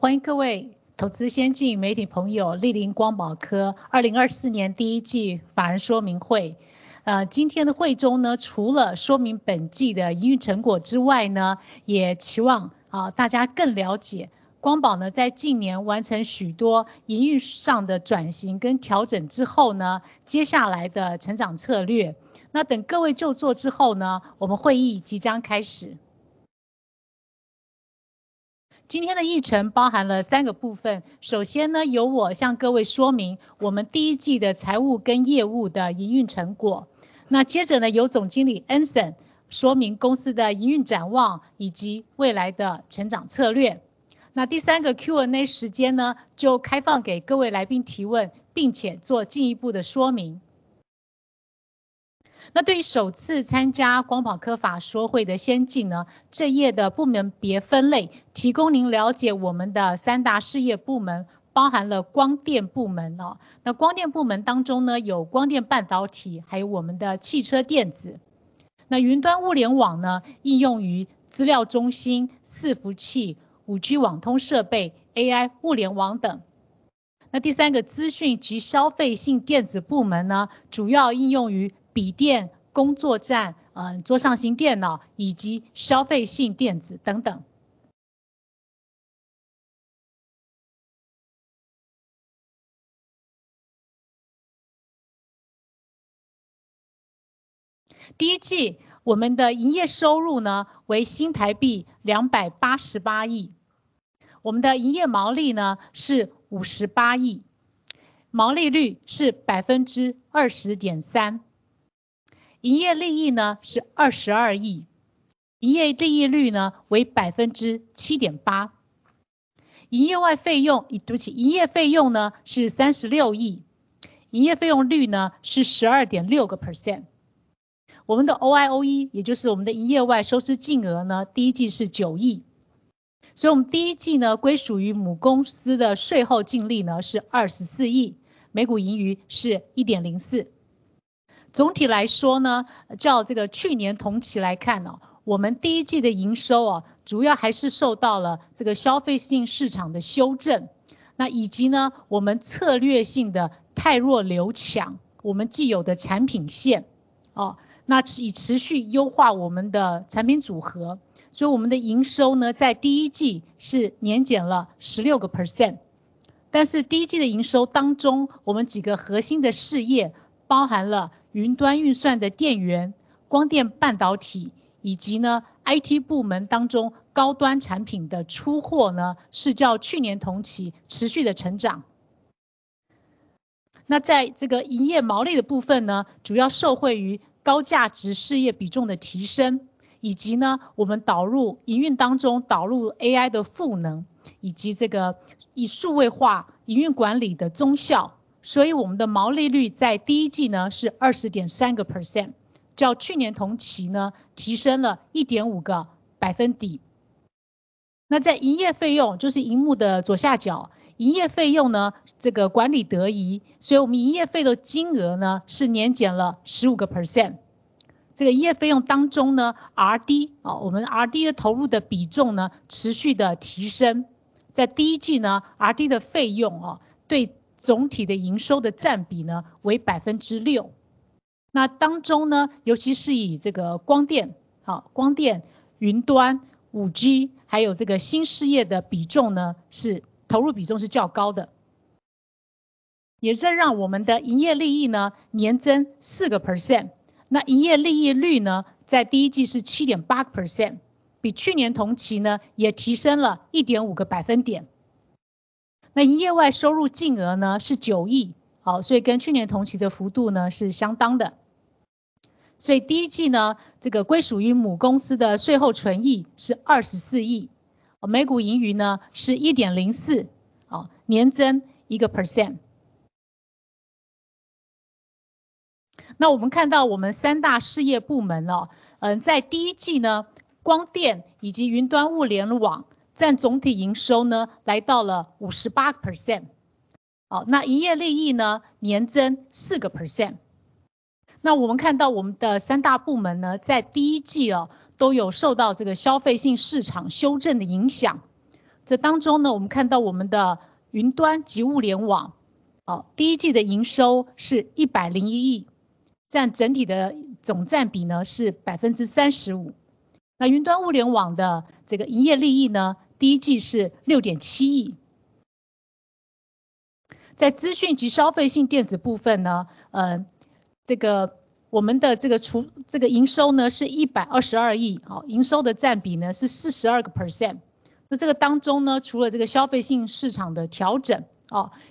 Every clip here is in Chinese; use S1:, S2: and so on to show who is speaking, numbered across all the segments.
S1: 欢迎各位投资先进与媒体朋友莅临光宝科2024年第一季法人说明会。今天的会 中， 除了说明本季的营运成果之 外， 也期望大家更了解光宝在近年完成许多营运上的转型跟调整之 后， 接下来的成长策略。等各位就座之 后， 我们会议即将开始。今天的议程包含了三个部 分， 首先 呢， 由我向各位说明我们第一季的财务跟业务的营运成果。那接着 呢， 由总经理 Anson 说明公司的营运展望以及未来的成长策略。那第三个 Q&A 时间 呢， 就开放给各位来宾提 问， 并且做进一步的说明。那對於首次參加光寶科法說會的先進 呢， 這頁的部門別分 類， 提供您了解我們的三大事業部 門， 包含了光電部門哦。那光電部門當中 呢， 有光電半導 體， 還有我們的汽車電子。那雲端物聯網 呢， 應用於資料中心、伺服器、5G 網通設備、AI 物聯網等。第三個資訊及消費性電子部 門， 主要應用於筆電、工作站、桌上型電腦以及消費性電子等等。第一季我們的營業收入為新台幣288 億， 我們的營業毛利是58 億， 毛利率是 20.3%， 營業利益是22 億， 營業利益率為 7.8%。营业外费 用， 对不 起， 营业费用呢是三十六 亿， 营业费用率呢是 12.6%。我们的 EOI， 也就是我们的营业外收支净额 呢， 第一季是九 亿， 所以我们第一季 呢， 归属于母公司的税后净利呢是二十四 亿， 每股盈余是 1.04。总体来说 呢， 较这个去年同期来看 呢， 我们第一季的营收 啊， 主要还是受到了这个消费性市场的修 正， 那以及呢我们策略性的汰弱留 强， 我们既有的产品 线， 哦， 那以持续优化我们的产品组 合， 所以我们的营收 呢， 在第一季是年减了 16%。但是第一季的营收当 中， 我们几个核心的事 业， 包含了云端运算的电源、光电半导 体， 以及 IT 部门当中高端产品的出 货， 是较去年同期持续地成长。那在这个营业毛利的部分 呢， 主要受惠于高价值事业比重的提 升， 以及呢我们导入营运当中导入 AI 的赋 能， 以及这个以数位化营运管理的综效，所以我们的毛利率在第一季呢是 20.3%， 较去年同期呢提升了 1.5 个百分点。那在营业费 用， 就是荧幕的左下 角， 营业费用 呢， 这个管理得 宜， 所以我们营业费的金额 呢， 是年减了 15%。这个营业费用当中呢 ，RD， 啊， 我们 RD 的投入的比重呢持续地提升。在第一季呢 ，RD 的费用 啊， 对总体的营收的占比 呢， 为 6%。那当中 呢， 尤其是以这个光 电， 好， 光电、云端、5G， 还有这个新事业的比重 呢， 是， 投入比重是较高 的， 也是让我们的营业利益呢年增 4%。那营业利益率 呢， 在第一季是 7.8%， 比去年同期呢也提升了 1.5 个百分点。那营业外收入净额呢是 ¥9 亿， 好， 所以跟去年同期的幅度呢是相当的。所以第一季 呢， 这个归属于母公司的税后纯益是 ¥24 亿， 每股盈余呢是 ¥1.04， 哦， 年增 1%。那我们看到我们三大事业部 门， 呃， 在第一季 呢， 光电以及云端物联网占总体营收呢来到了 58%， 好， 那营业利益呢年增 4%。那我们看到我们的三大部门 呢， 在第一季 啊， 都有受到这个消费性市场修正的影 响， 这当中 呢， 我们看到我们的云端及物联 网， 哦， 第一季的营收是101 亿， 占整体的总占比呢是 35%。那云端物联网的这个营业利益呢，第一季是 6.7 亿。在资讯及消费性电子部分 呢， 这 个， 我们的这个营收呢是122 亿， 营收的占比呢是 42%。那这个当中 呢， 除了这个消费性市场的调 整，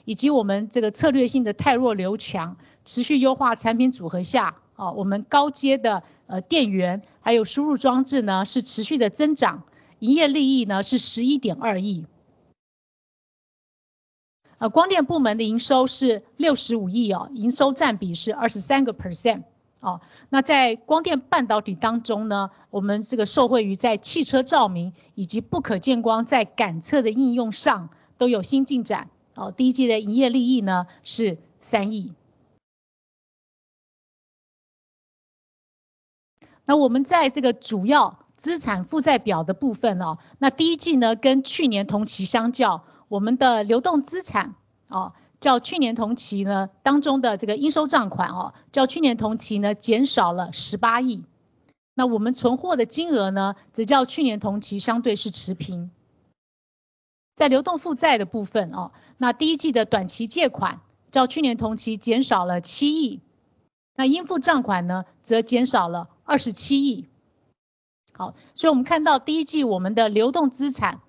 S1: 以及我们这个策略性的汰弱留 强， 持续优化产品组合 下， 我们高阶的电 源， 还有输入装置 呢， 是持续地增长，营业利益呢是十一点二亿。光电部门的营收是六十五 亿， 营收占比是 23%。哦， 那在光电半导体当中 呢， 我们这个受惠于在汽车照明以及不可见光在感测的应用上都有新进 展， 哦， 第一季的营业利益呢是 ¥3 亿。那我们在这个主要资产负债表的部分 哦， 那第一季 呢， 跟去年同期相 较， 我们的流动资产 哦， 较去年同期 呢， 当中的这个应收账款 哦， 较去年同期呢减少了 ¥18 亿， 那我们存货的金额 呢， 则较去年同期相对是持平。在流动负债的部 分， 第一季的短期借款较去年同期减少了 ¥7 亿， 应付账款则减少了 ¥27 亿。所以我们看到第一季我们的流动资产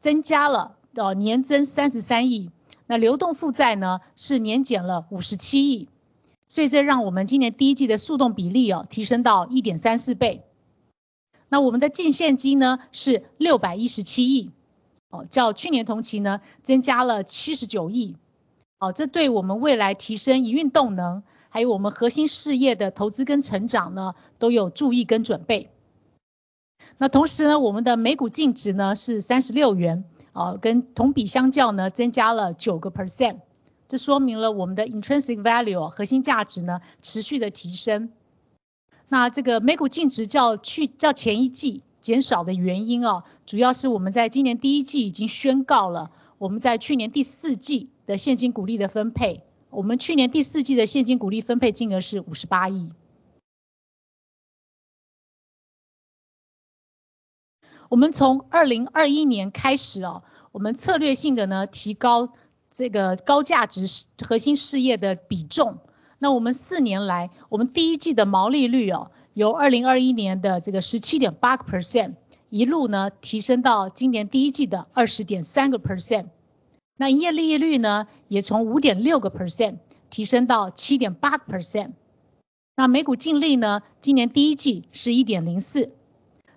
S1: 增加了年增 ¥33 亿， 流动负债是年减了 ¥57 亿， 所以这让我们今年第一季的速动比例提升到 1.34 倍。那我们的净现金 呢， 是六百一十七 亿， 较去年同期 呢， 增加了七十九亿。这对我们未来提升营运动 能， 还有我们核心事业的投资跟成长 呢， 都有注意跟准备。那同时 呢， 我们的每股净值 呢， 是三十六 元， 跟同比相较 呢， 增加了 9%， 这说明了我们的 intrinsic value 核心价值 呢， 持续地提升。那这个每股净值较去年前一季减少的原 因， 主要是我们在今年第一季已经宣告了我们在去年第四季的现金股利的分 配， 我们去年第四季的现金股利分配金额是 ¥58 亿。我们从2021年开 始， 我们策略性地提高这个高价值核心事业的比重。那我们四年 来， 我们第一季的毛利 率， 由2021年的 17.8%， 一路提升到今年第一季的 20.3%， 那营业利益率 呢， 也从 5.6% 提升到 7.8%， 那每股净利 呢， 今年第一季是 1.04。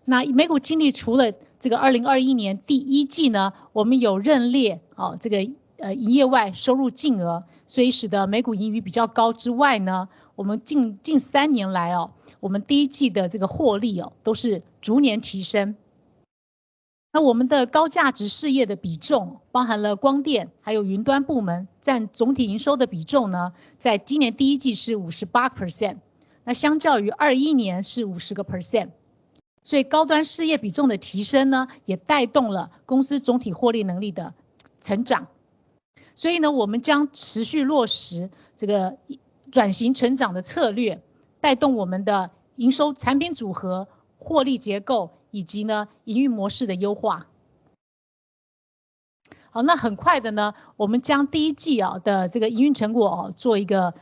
S1: 那每股净利除了这个2021年第一季 呢， 我们有认 列， 哦， 这 个， 呃， 营业外收入净 额， 所以使得每股盈余比较高之外 呢， 我们 近， 近三年来 哦， 我们第一季的这个获利 哦， 都是逐年提升。那我们的高价值事业的比重包含了光电还有云端部 门， 占总体营收的比重 呢， 在今年第一季是 58%， 那相较于2021年是 50%， 所以高端事业比重的提升 呢， 也带动了公司总体获利能力的成长。所以 呢， 我们将持续落实这个转型成长的策 略， 带动我们的营收、产品组合、获利结构以及 呢， 营运模式的优化。好， 那很快的 呢， 我们将第一季的这个营运成果做一个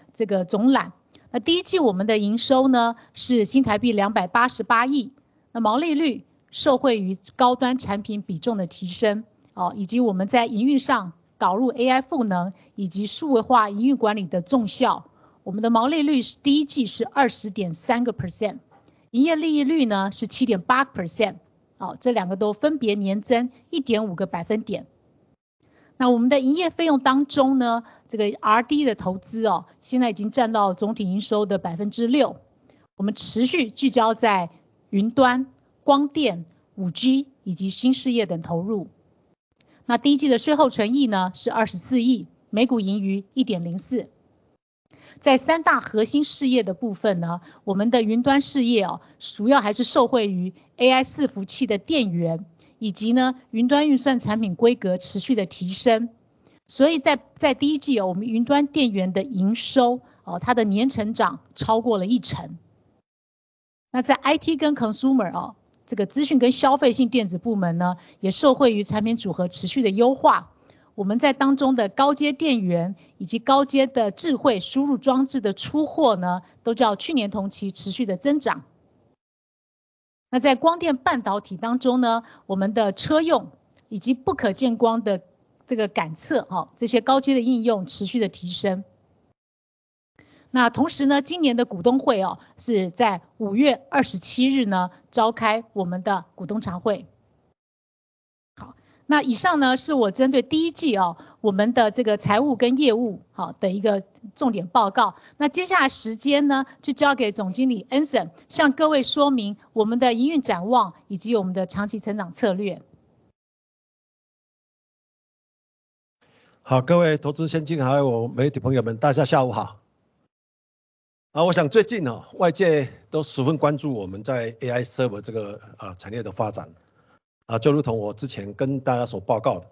S1: 总览。那第一季我们的营收 呢， 是新台币二百八十八亿，那毛利率受惠于高端产品比重的提 升， 以及我们在营运上导入 AI 功 能， 以及数位化营运管理的综 效， 我们的毛利率第一季是 20.3%， 营业利益率呢是 7.8%， 这两个都分别年增 1.5 个百分点。那我们的营业费用当中 呢， 这个 RD 的投资 哦， 现在已经占到了总体营收的 6%， 我们持续聚焦在云端、光电、5G 以及新事业等投入。那第一季的税后纯益呢是 ¥24 亿， 每股盈余 1.04。在三大核心事业的部分 呢， 我们的云端事业 哦， 主要还是受惠于 AI 伺服器的电 源， 以及呢云端运算产品规格持续地提升。所以在第一 季， 我们云端电源的营 收， 它的年成长超过了一成。在 IT 跟 consumer， 这个资讯跟消费性电子部 门， 也受惠于产品组合持续地优 化， 我们在当中的高阶电源以及高阶的智慧输入装置的出 货， 都较去年同期持续地增长。在光电半导体当 中， 我们的车用以及不可见光的感 测， 这些高阶的应用持续地提升。同 时， 今年的股东会是在五月二十七日召开我们的股东常会。以上是我针对第一季我们的财务跟业务的重点报告。接下来的时间就交给总经理 Anson， 向各位说明我们的营运展 望， 以及我们的长期成长策略。
S2: 好， 各位投资先 进， 还有媒体朋友 们， 大家下午好。我想最近外界都十分关注我们在 AI Server 这个产业的发展。就如同我之前跟大家所报告 的，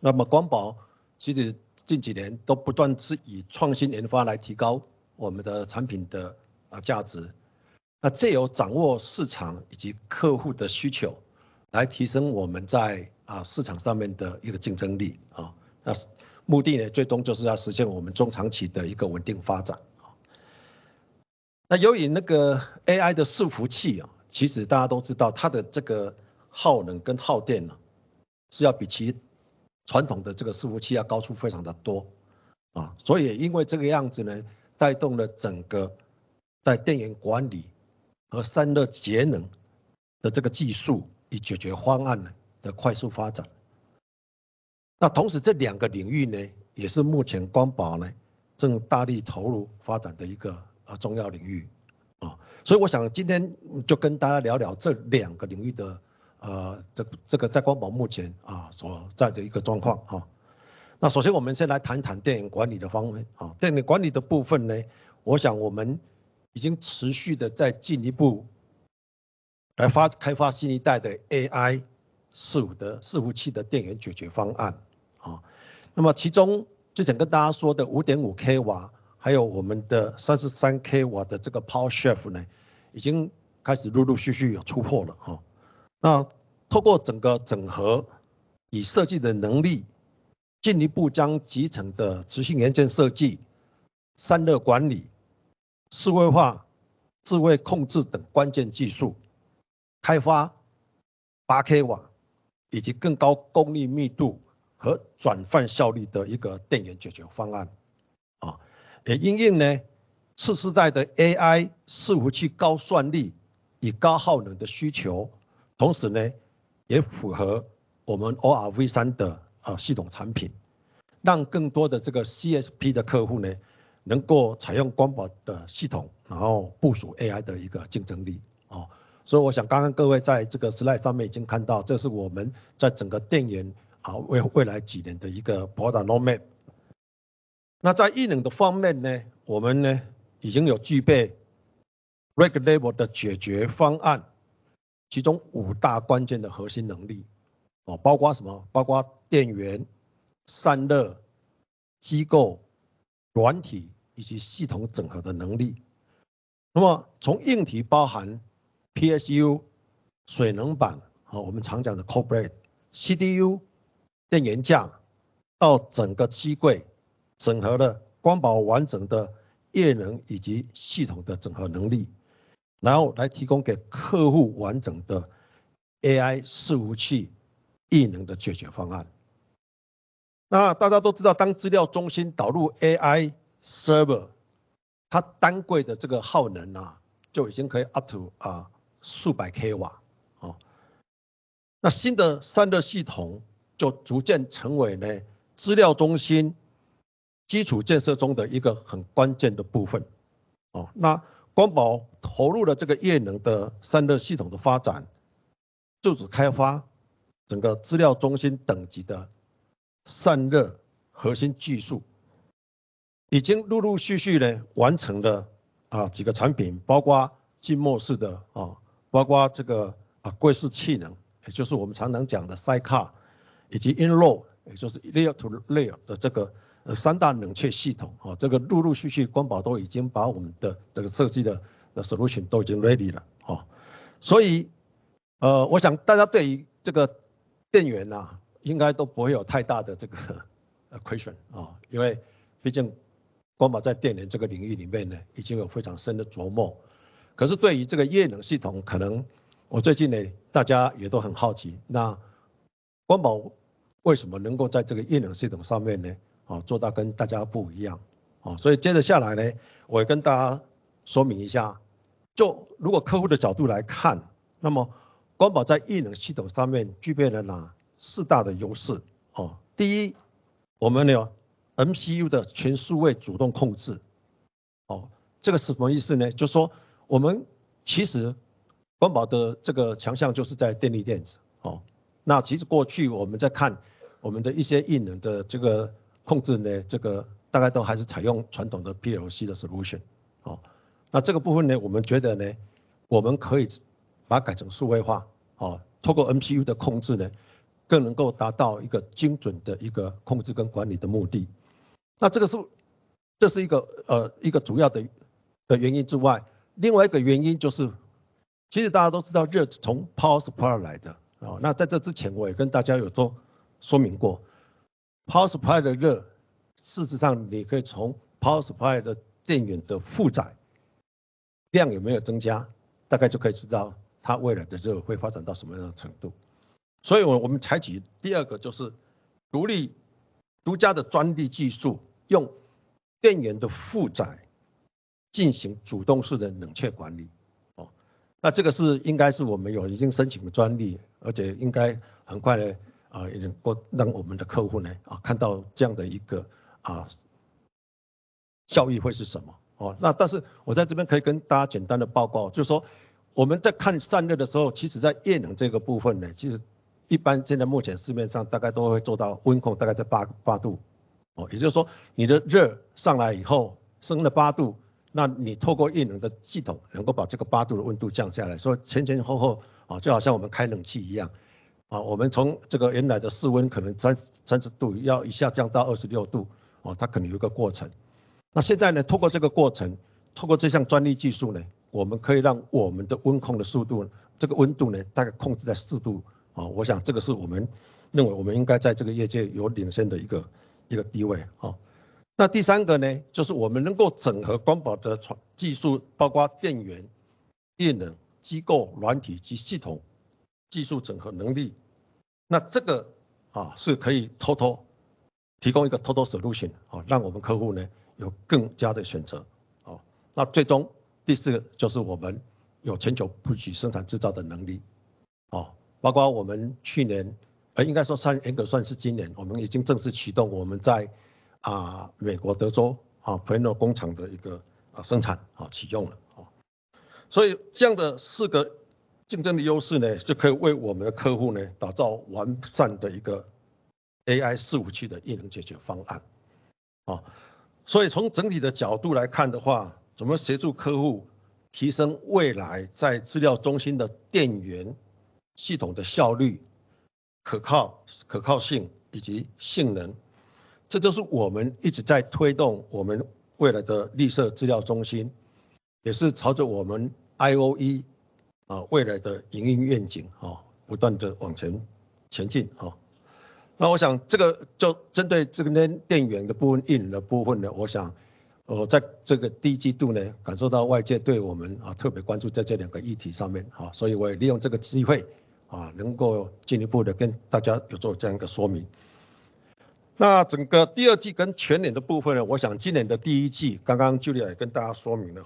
S2: 那么光宝其实近几年都不断地以创新研发来提高我们的产品的价 值， 那借由掌握市场以及客户的需 求， 来提升我们在市场上面的一个竞争力。那目的 呢， 最终就是要实现我们中长期的一个稳定发展。那由于那个 AI 的服务 器， 其实大家都知 道， 它的这个耗能跟耗电 呢， 是要比其传统的这个服务器要高出非常的多。所以也因为这个样子 呢， 带动了整个在电源管理和散热节能的这个技术与解决方案的快速发展。同时这两个领域 呢， 也是目前光宝正大力投入发展的一个重要领域。所以我想今天就跟大家聊聊这两个领域 的， 在光宝目前所在的一个状况。首先我们先来谈谈电源管理的方面。电源管理的部分 呢， 我想我们已经持续地在进一步来开发新一代的 AI 伺服器的电源解决方案。那么其中之前跟大家说的 5.5KW， 还有我们的 33KW 的这个 Power Chef 呢， 已经开始陆陆续续有出货了。那透过整个整合与设计的能 力， 进一步将集成的持续元件设计、散热管理、数位化、智慧控制等关键技 术， 开发 8KW， 以及更高功率密度和转换效率的一个电源解决方案。也因应呢次世代的 AI 伺服器高算力与高耗能的需 求， 同时也符合我们 ORV3 的系统产 品， 让更多的这个 CSP 的客户 呢， 能够采用光宝的系 统， 然后部署 AI 的一个竞争力。所以我想刚刚各位在这个 slide 上面已经看 到， 这是我们在整个电 源， 为未来几年的一个 product roadmap。那在液冷的方面 呢， 我們呢已經有具備 rack level 的解決方 案， 其中五大關鍵的核心能 力， 包括什 麼？ 包括電源、散熱、機構、軟體以及系統整合的能力。那麼從硬體包含 PSU、水冷 板， 我們常講的 cold plate、CDU、電源 架， 到整個機 櫃， 整合了光寶完整的液冷以及系統的整合能 力， 然後來提供給客戶完整的 AI 伺服器液冷的解決方案。大家都知 道， 当资料中心导入 AI server， 它单柜的这个耗能 啊， 就已经可以 up to 数百 KW， 那新的散热系统就逐渐成为呢资料中心基础建设中的一个很关键的部分。那光宝投入了这个液冷的散热系统的发 展， 自主开发整个资料中心等级的散热核心技 术， 已经陆陆续续完成了几个产 品， 包括浸没式 的， 包括这个柜式气 冷， 也就是我们常常讲的 side car， 以及 in row， 也就是 layer to layer 的这个三大冷却系 统， 这个陆陆续续光宝都已经把我们的这个设计的 solution 都已经 ready 了。所 以， 我想大家对于这个电 源， 应该都不会有太大的 question， 因为毕竟光宝在电源这个领域里 面， 已经有非常深的琢磨。可是对于这个液冷系 统， 可能最近大家也都很好 奇， 那光宝为什么能够在这个液冷系统上 面， 做到跟大家不一样。所以接着下来 呢， 我也跟大家说明一 下， 就如果客户的角度来 看， 那么光宝在液冷系统上面具备了哪四大的优 势？ 第 一， 我们有 MCU 的全数位主动控制。这个是什么意思 呢？ 就是說我們其實光寶的這個強項就是在電力電 子， 那其實過去我們在看我們的一些液冷的這個控制 呢， 這個大概都還是採用傳統的 PLC 的 solution， 那這個部分 呢， 我們覺得 呢， 我們可以把它改成數位 化， 透過 MCU 的控制 呢， 更能夠達到一個精準的一個控制跟管理的目的。那这个 是， 这是一 个， 一个主要的原因之 外， 另外一个原因就 是， 其实大家都知道热从 power supply 来 的， 那在这之前我也跟大家有做说明过 ，power supply 的 热， 事实上你可以从 power supply 的电源的负载量有没有增 加， 大概就可以知道它未来的热会发展到什么样的程度。所以我们采取第二个就是独立独家的专利技 术， 用电源的负载进行主动式的冷却管 理， 那这个是应该是我们有已经申请的专 利， 而且应该很快呢，也能够让我们的客户 呢， 看到这样的一个 啊， 效益会是什么。那但是我在这边可以跟大家简单的报 告， 就是说我们在看散热的时 候， 其实在液冷这个部分 呢， 其实一般现在目前市面上大概都会做到温 控， 大概在八度。也就是说你的热上来以后升了八 度， 那你透过液冷的系统能够把这个八度的温度降下 来， 所以前前后后就好像我们开冷气一 样， 我们从这个原来的室温可能三十、三十度要一下降到二十六 度， 它可能有一个过程。那现在 呢， 透过这个过 程， 透过这项专利技术 呢， 我们可以让我们的温控的速 度， 这个温度呢大概控制在四度。我想这个是我们认为我们应该在这个业界有领先的一个地位。那第三个 呢， 就是我们能够整合光宝的技 术， 包括电源、液冷、机构、软体及系统技术整合能 力， 那这个是可以 total 提供一个 total solution， 让我们客户呢有更佳的选择。最终第四个就是我们有全球布局生产制造的能 力， 包括我们去 年， 应该说严格算是今 年， 我们已经正式启动我们在美国德州 Plano 工厂的生产启用了。所以这样的四个竞争优势就可以为我们的客户打造完善的 AI 服务器智能解决方案。哦， 所以从整体的角度来看的 话， 怎么协助客户提升未来在资料中心的电源系统的效率、可靠性以及性 能， 这就是我们一直在推动我们未来的绿色资料中 心， 也是朝着我们 IOE 未来的营运愿 景， 不断的往前前进。哦， 那我想这个就针对这边电源的部 分， 印的部分 呢， 我想我在这个第一季度 呢， 感受到外界对我 们， 啊， 特别关注在这两个议题上 面， 哦， 所以我也利用这个机 会， 啊， 能够进一步地跟大家有做这样一个说明。那整个第二季跟全年的部分 呢， 我想今年的第一 季， 刚刚 Julia 也跟大家说明 了，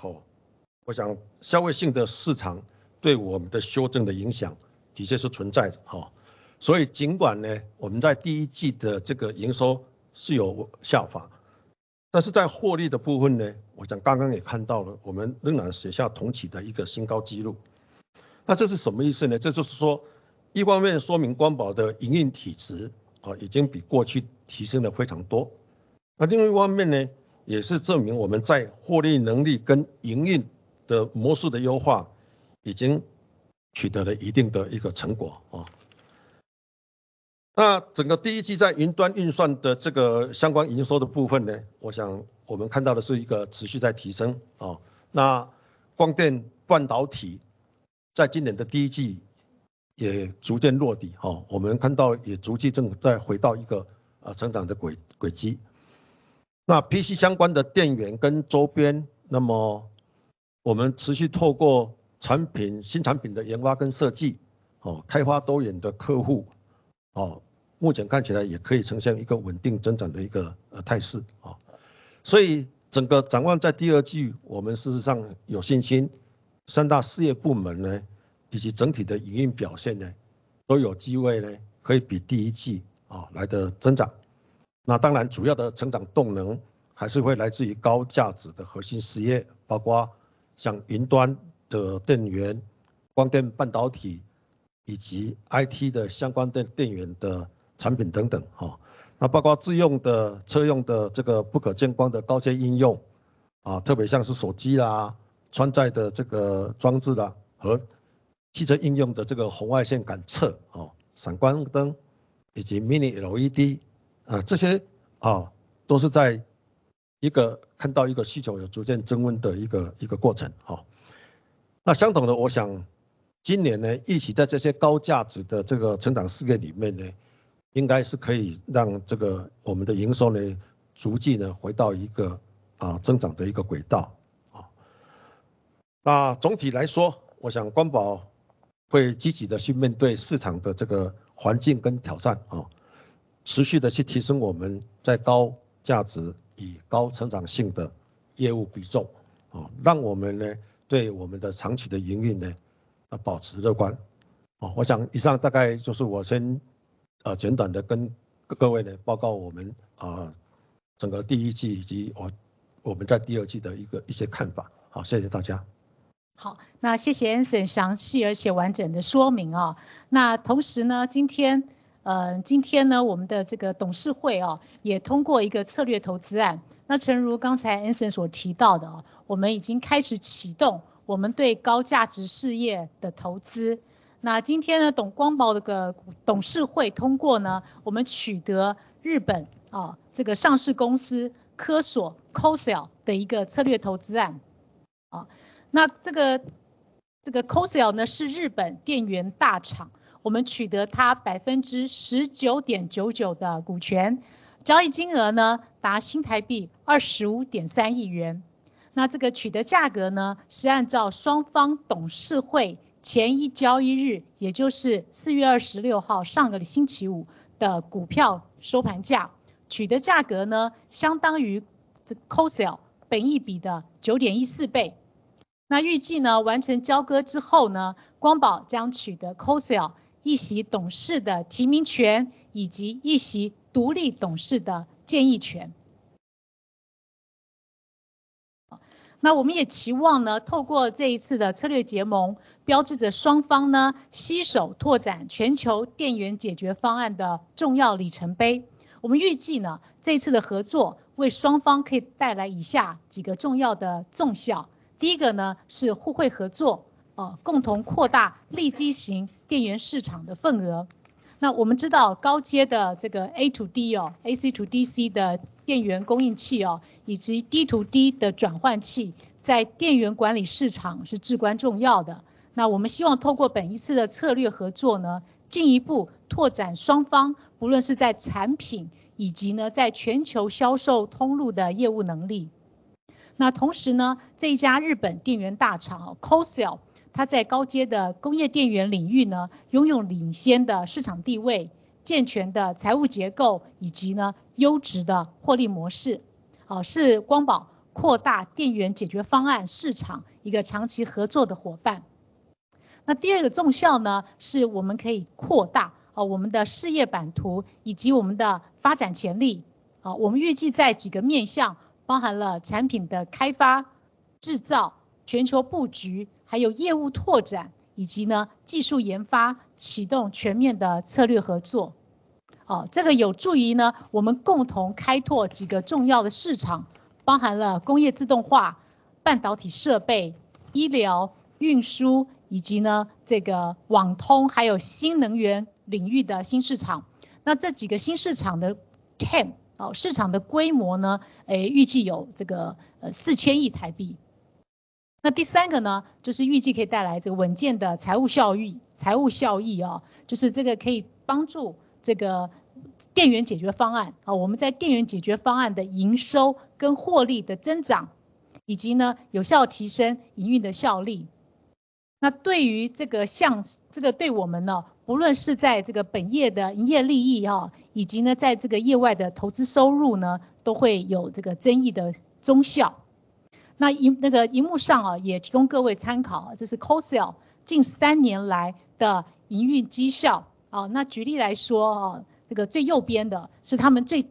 S2: 我想消费性的市场对我们的修正的影响的确是存在的。所以尽管 呢， 我们在第一季的这个营收是有下 滑， 但是在获利的部分 呢， 我想刚刚也看到 了， 我们仍然写下同期的一个新高纪录。那这是什么意思 呢？ 这就是 说， 一方面说明光宝的营运体质已经比过去提升了非常多。另外一方面 呢， 也是证明我们在获利能力跟营运的模式的优化已经取得了一定的成果。整个第一季在云端运算的相关营收的部分 呢， 我想我们看到的是持续在提升。那光电半导体在今年的第一季也逐渐落 底， 我们看到也逐渐正在回到一个成长的轨迹。那 PC 相关的电源跟周 边， 那么我们持续透过产 品， 新产品的研发跟设 计， 开发多元的客 户， 目前看起来也可以呈现一个稳定增长的态势。所以整个展望在第二 季， 我们事实上有信 心， 三大事业部门 呢， 以及整体的营运表现 呢， 都有机会 呢， 可以比第一 季， 哦， 来得增长。那当然主要的成长动能还是会来自于高价值的核心事 业， 包括像云端的电源、光电半导 体， 以及 IT 的相关电源的产品等 等， 哦。那包括自用的、车用的这个不可见光的高阶应 用， 特别像是手机啦、穿戴的这个装置 啦， 和汽车应用的这个红外线感测、闪光 灯， 以及 Mini LED， 这些都是在一个看到一个需求有逐渐增温的一个过程。那相同 的， 我想今年 呢， 预期在这些高价值的这个成长事业里面 呢， 应该是可以让这个我们的营收 呢， 逐渐地回到一 个， 啊， 增长的一个轨 道， 哦。那总体来 说， 我想光宝会积极地去面对市场的这个环境跟挑 战， 哦， 持续地去提升我们在高价值与高成长性的业务比 重， 哦， 让我们呢，对我们的长期的营运 呢， 保持乐观。哦， 我想以上大概就是我 先， 呃， 简短地跟各位 呢， 报告我 们， 呃， 整个第一 季， 以及我们在第二季的一些看法。好， 谢谢大家。
S1: 好， 那谢谢 Anson 详细而且完整的说明哦。那同时 呢， 今天， 呃， 今天 呢， 我们的这个董事会 哦， 也通过一个策略投资 案， 那诚如刚才 Anson 所提到 的， 我们已经开始启动我们对高价值事业的投资。那今天 呢， 董事会——光宝的董事会通过 呢， 我们取得日 本， 哦， 这个上市公司科索 Cosel 的一个策略投资案。哦， 那这 个， 这个 Cosel 呢， 是日本电源大厂，我们取得它 19.99% 的股 权， 交易金额 呢， 达新台币 25.3 亿元。那这个取得价格 呢， 是按照双方董事会前一交易 日， 也就是4月26号上个星期五的股票收盘 价， 取得价格 呢， 相当于 Cosel 本益比的 9.14 倍。预计完成交割之 后， 光宝将取得 Cosel 一席董事的提名 权， 以及一席独立董事的建议权。我们也期望透过这一次的策略结 盟， 标志着双方携手拓展全球电源解决方案的重要里程碑。我们预计这一次的合作为双方可以带来以下几个重要的综效。第一个是互惠合 作， 共同扩大利基型电源市场的份额。那我们知道高阶的这个 AC to DC 哦 ，AC to DC 的电源供应器 哦， 以及 DC to DC 的转换 器， 在电源管理市场是至关重要的。那我们希望透过本次的策略合作 呢， 进一步拓展双方不论是在产品以及 呢， 在全球销售通路的业务能力。那同时 呢， 这一家日本电源大厂 Cosel， 它在高阶的工业电源领域 呢， 拥有领先的市场地位、健全的财务结 构， 以及 呢， 优质的获利模 式， 是光宝扩大电源解决方案市场一个长期合作的伙伴。那第二个纵效 呢， 是我们可以扩大我们的事业版图以及我们的发展潜力。我们预计在几个面 向， 包含了产品的开发、制造、全球布局，还有业务拓 展， 以及技术研 发， 启动全面的策略合作。这个有助于我们共同开拓几个重要的市 场， 包含了工业自动化、半导体设备、医疗、运输以及网 通， 还有新能源领域的新市场。那这几个新市场的 TAM， 市场的规 模， 预计有四千亿台币。那第三个 呢， 就是预计可以带来这个稳健的财务效 益， 财务效益 哦， 就是这个可以帮助这个电源解决方 案， 我们在电源解决方案的营收跟获利的增 长， 以及呢有效提升营运的效力。那对于这个 像， 这个对我们 呢， 不论是在这个本业的营业利 益， 以及呢在这个业外的投资收入 呢， 都会有这个增益的综效。那 银， 那个荧幕上哦也提供各位参 考， 这是 KOSEL 近三年来的营运绩效。那举例来 说， 这个最右边的是他们最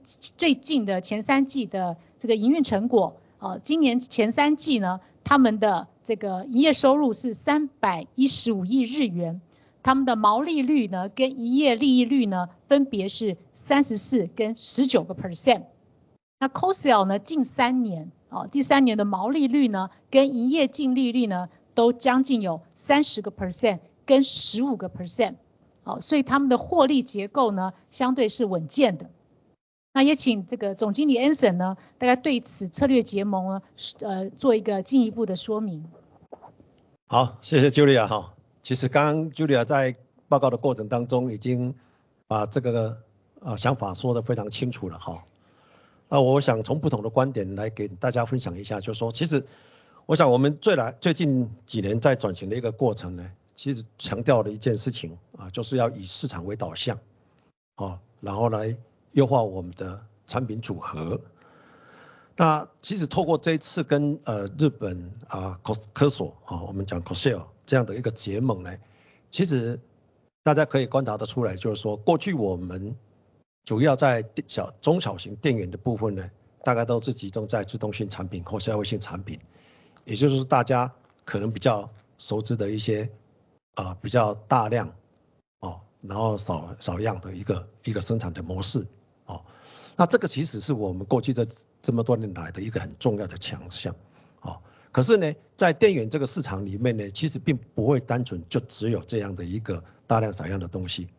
S1: 近的前三季的这个营运成果。今年前三季 呢， 他们的这个营业收入是 ¥31,500,000,000， 他们的毛利率呢跟营业利益率 呢， 分别是 34% 跟 19%。那 KOSEL 呢近三 年， 第三年的毛利率 呢， 跟营业净利率 呢， 都将近有 30% 跟 15%， 所以他们的获利结构 呢， 相对是稳健的。那也请这个总经理 Anson 呢， 大家对此策略结 盟， 做一个进一步的说明。
S2: 好， 谢谢 Julia。其实刚刚 Julia 在报告的过程当 中， 已经把这个想法说得非常清楚了。那我想从不同的观点来给大家分享一 下， 就是 说， 其实我想我们最近几年在转型的一个过程 呢， 其实强调了一件事 情， 就是要以市场为导 向， 然后来优化我们的产品组合。那其实透过这一次跟日本科 索， 我们讲 KOSEL 这样的一个结盟 呢， 其实大家可以观察得出 来， 就是说过去我们主要在中小型电源的部分 呢， 大概都是集中在自动化产品或消费性产 品， 也就是大家可能比较熟知的一些比较大 量， 然后少量的一个生产的模式。那这个其实是我们过去这么多年来的一个很重要的强项。哦， 可是 呢， 在电源这个市场里面 呢， 其实并不会单纯就只有这样的一个大量散样的东西。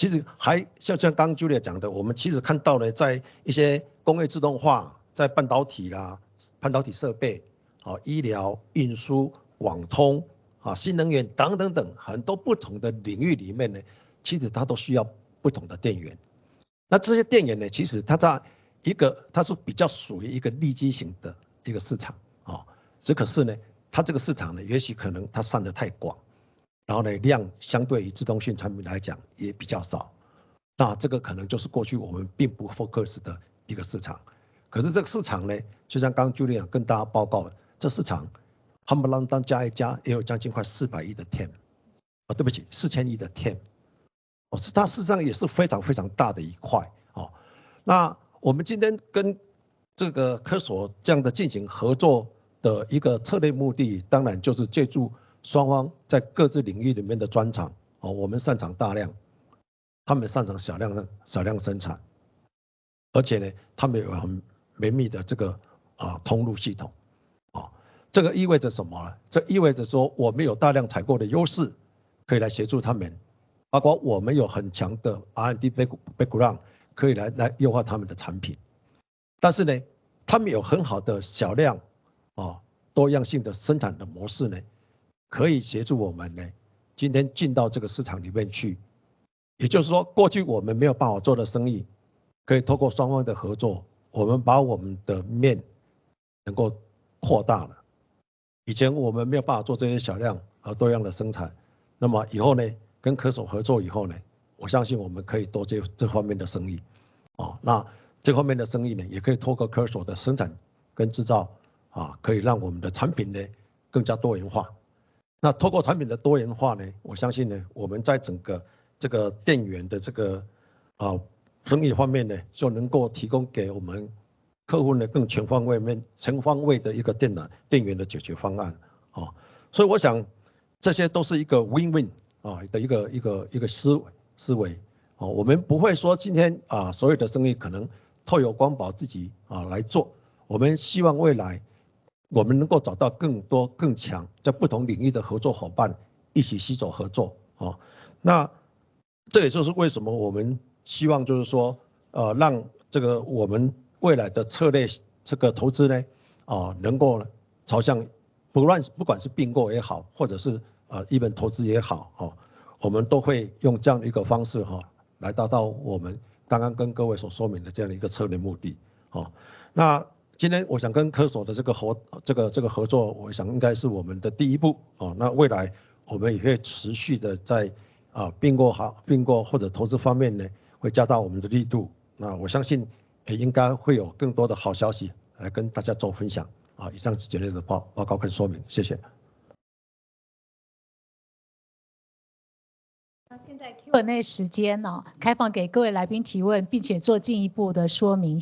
S2: 其实还 像， 像刚刚 Julia 讲 的， 我们其实看到了在一些工业自动 化， 在半导体啦、半导体设备、医疗、运输、网通、新能源等等等很多不同的领域里面 呢， 其实它都需要不同的电 源， 那这些电源 呢， 其实它在一 个， 它是比较属于一个利基型的一个市 场， 只可是 呢， 它这个市场 呢， 也许可能它散得太广，然后呢量相对于消费性产品来讲也比较 少， 那这个可能就是过去我们并不 focus 的一个市场。可是这个市场 呢， 就像刚刚 Julia 跟大家报告 的， 这市场他们把它加一 加， 也有将近快四百亿的 TAM， 哦， 对不 起， 四千亿的 TAM。它事实上也是非常非常大的一 块， 哦。那我们今天跟这个科索这样的进行合作的一个策略目 的， 当然就是借助双方在各自领域里面的专长。我们擅长大 量， 他们擅长小量、少量生 产， 而且他们有很绵密的这个通路系统。这个意味着什么 呢？ 这意味着说我们有大量采购的优势可以来协助他 们， 包括我们有很强的 R&D background， 可以来优化他们的产品。但是 呢， 他们有很好的小 量， 哦， 多样性的生产的模式 呢， 可以协助我们呢今天进到这个市场里面去。也就是 说， 过去我们没有办法做的生 意， 可以透过双方的合 作， 我们把我们的面能够扩大了。以前我们没有办法做这些小量和多样的生 产， 那么以后 呢， 跟科索合作以后 呢， 我相信我们可以多接这方面的生 意， 哦。那这方面的生意 呢， 也可以透过科索的生产跟制 造， 可以让我们的产品呢更加多元化。那透过产品的多元化 呢， 我相信 呢， 我们在整个这个电源的这个生意方面 呢， 就能够提供给我们客户呢更全方位的一个电源的解决方案。所以我想这些都是一个 win-win 的一个思维。我们不会说今天 啊， 所有的生意可能透由光宝自己啊来 做， 我们希望未来我们能够找到更多更 强， 在不同领域的合作伙伴一起携手合 作， 哦。那这也就是为什么我们希望就是 说， 让我们未来的策 略， 这个投资 呢， 能够朝 向， 不 论， 不管是并购也 好， 或者是投资也 好， 我们都会用这样的一个方 式， 来达到我们刚刚跟各位所说明的这样一个策略目的。那今天我想跟科索的这个合 作， 我想应该是我们的第一步。那未来我们也会持续地在并购或者投资方面会加大我们的力 度， 那我相信也应该会有更多的好消息来跟大家做分享。以上简略的报告和说 明， 谢谢。
S1: 那现在 Q&A 时间 哦， 开放给各位来宾提 问， 并且做进一步的说明。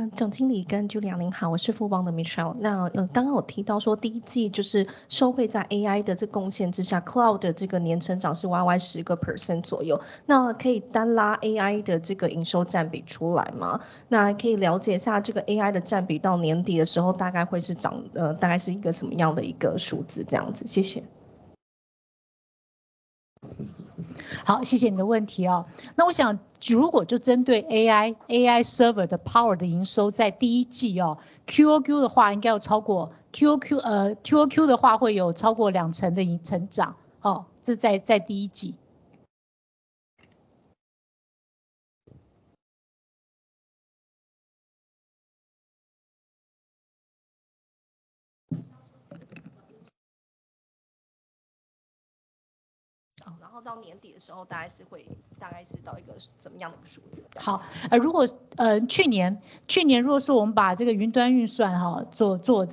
S1: 谢谢。
S3: 总经理跟 Julia， 你 好， 我是富邦的 Michelle。那刚刚有提到说第一季就是受惠在 AI 的这贡献之下 ，Cloud 的这个年成长是 YY 10% 左 右， 那可以单拉 AI 的这个营收占比出来 吗？ 那还可以了解一下这个 AI 的占比到年底的时候大概会 是， 大概是一个什么样的一个数字这样 子， 谢谢。
S1: 好， 谢谢你的问题哦。那我想如果就针对 AI，AI Server 的 Power 的营 收， 在第一季哦 ，QOQ 的 话， 应该要超过 QOQ， 呃 ，QOQ 的话会有超过两成的成 长， 哦， 这在在第一季。
S3: 然后到年底的时 候， 大概是会到一个怎么样的数字。
S1: 好， 如果去年我们把这个云端运算做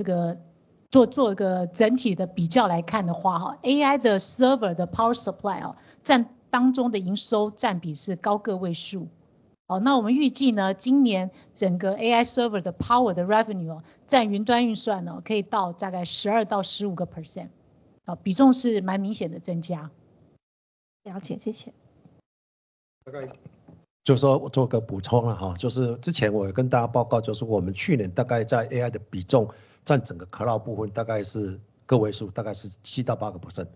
S1: 一个整体的比较来看的话 ，AI 的 server 的 power supply 占当中的营收占比是高个位数。那我们预计今年整个 AI server 的 power 的 revenue 在云端运算可以到大概 12% 到 15%， 比重是蛮明显的增加。
S3: 了 解， 谢谢。
S2: 大概就是说我做个补充 啦， 就是之前我有跟大家报 告， 就是我们去年大概在 AI 的比 重， 占整个 Cloud 部分大概是个位 数， 大概是7到 8%。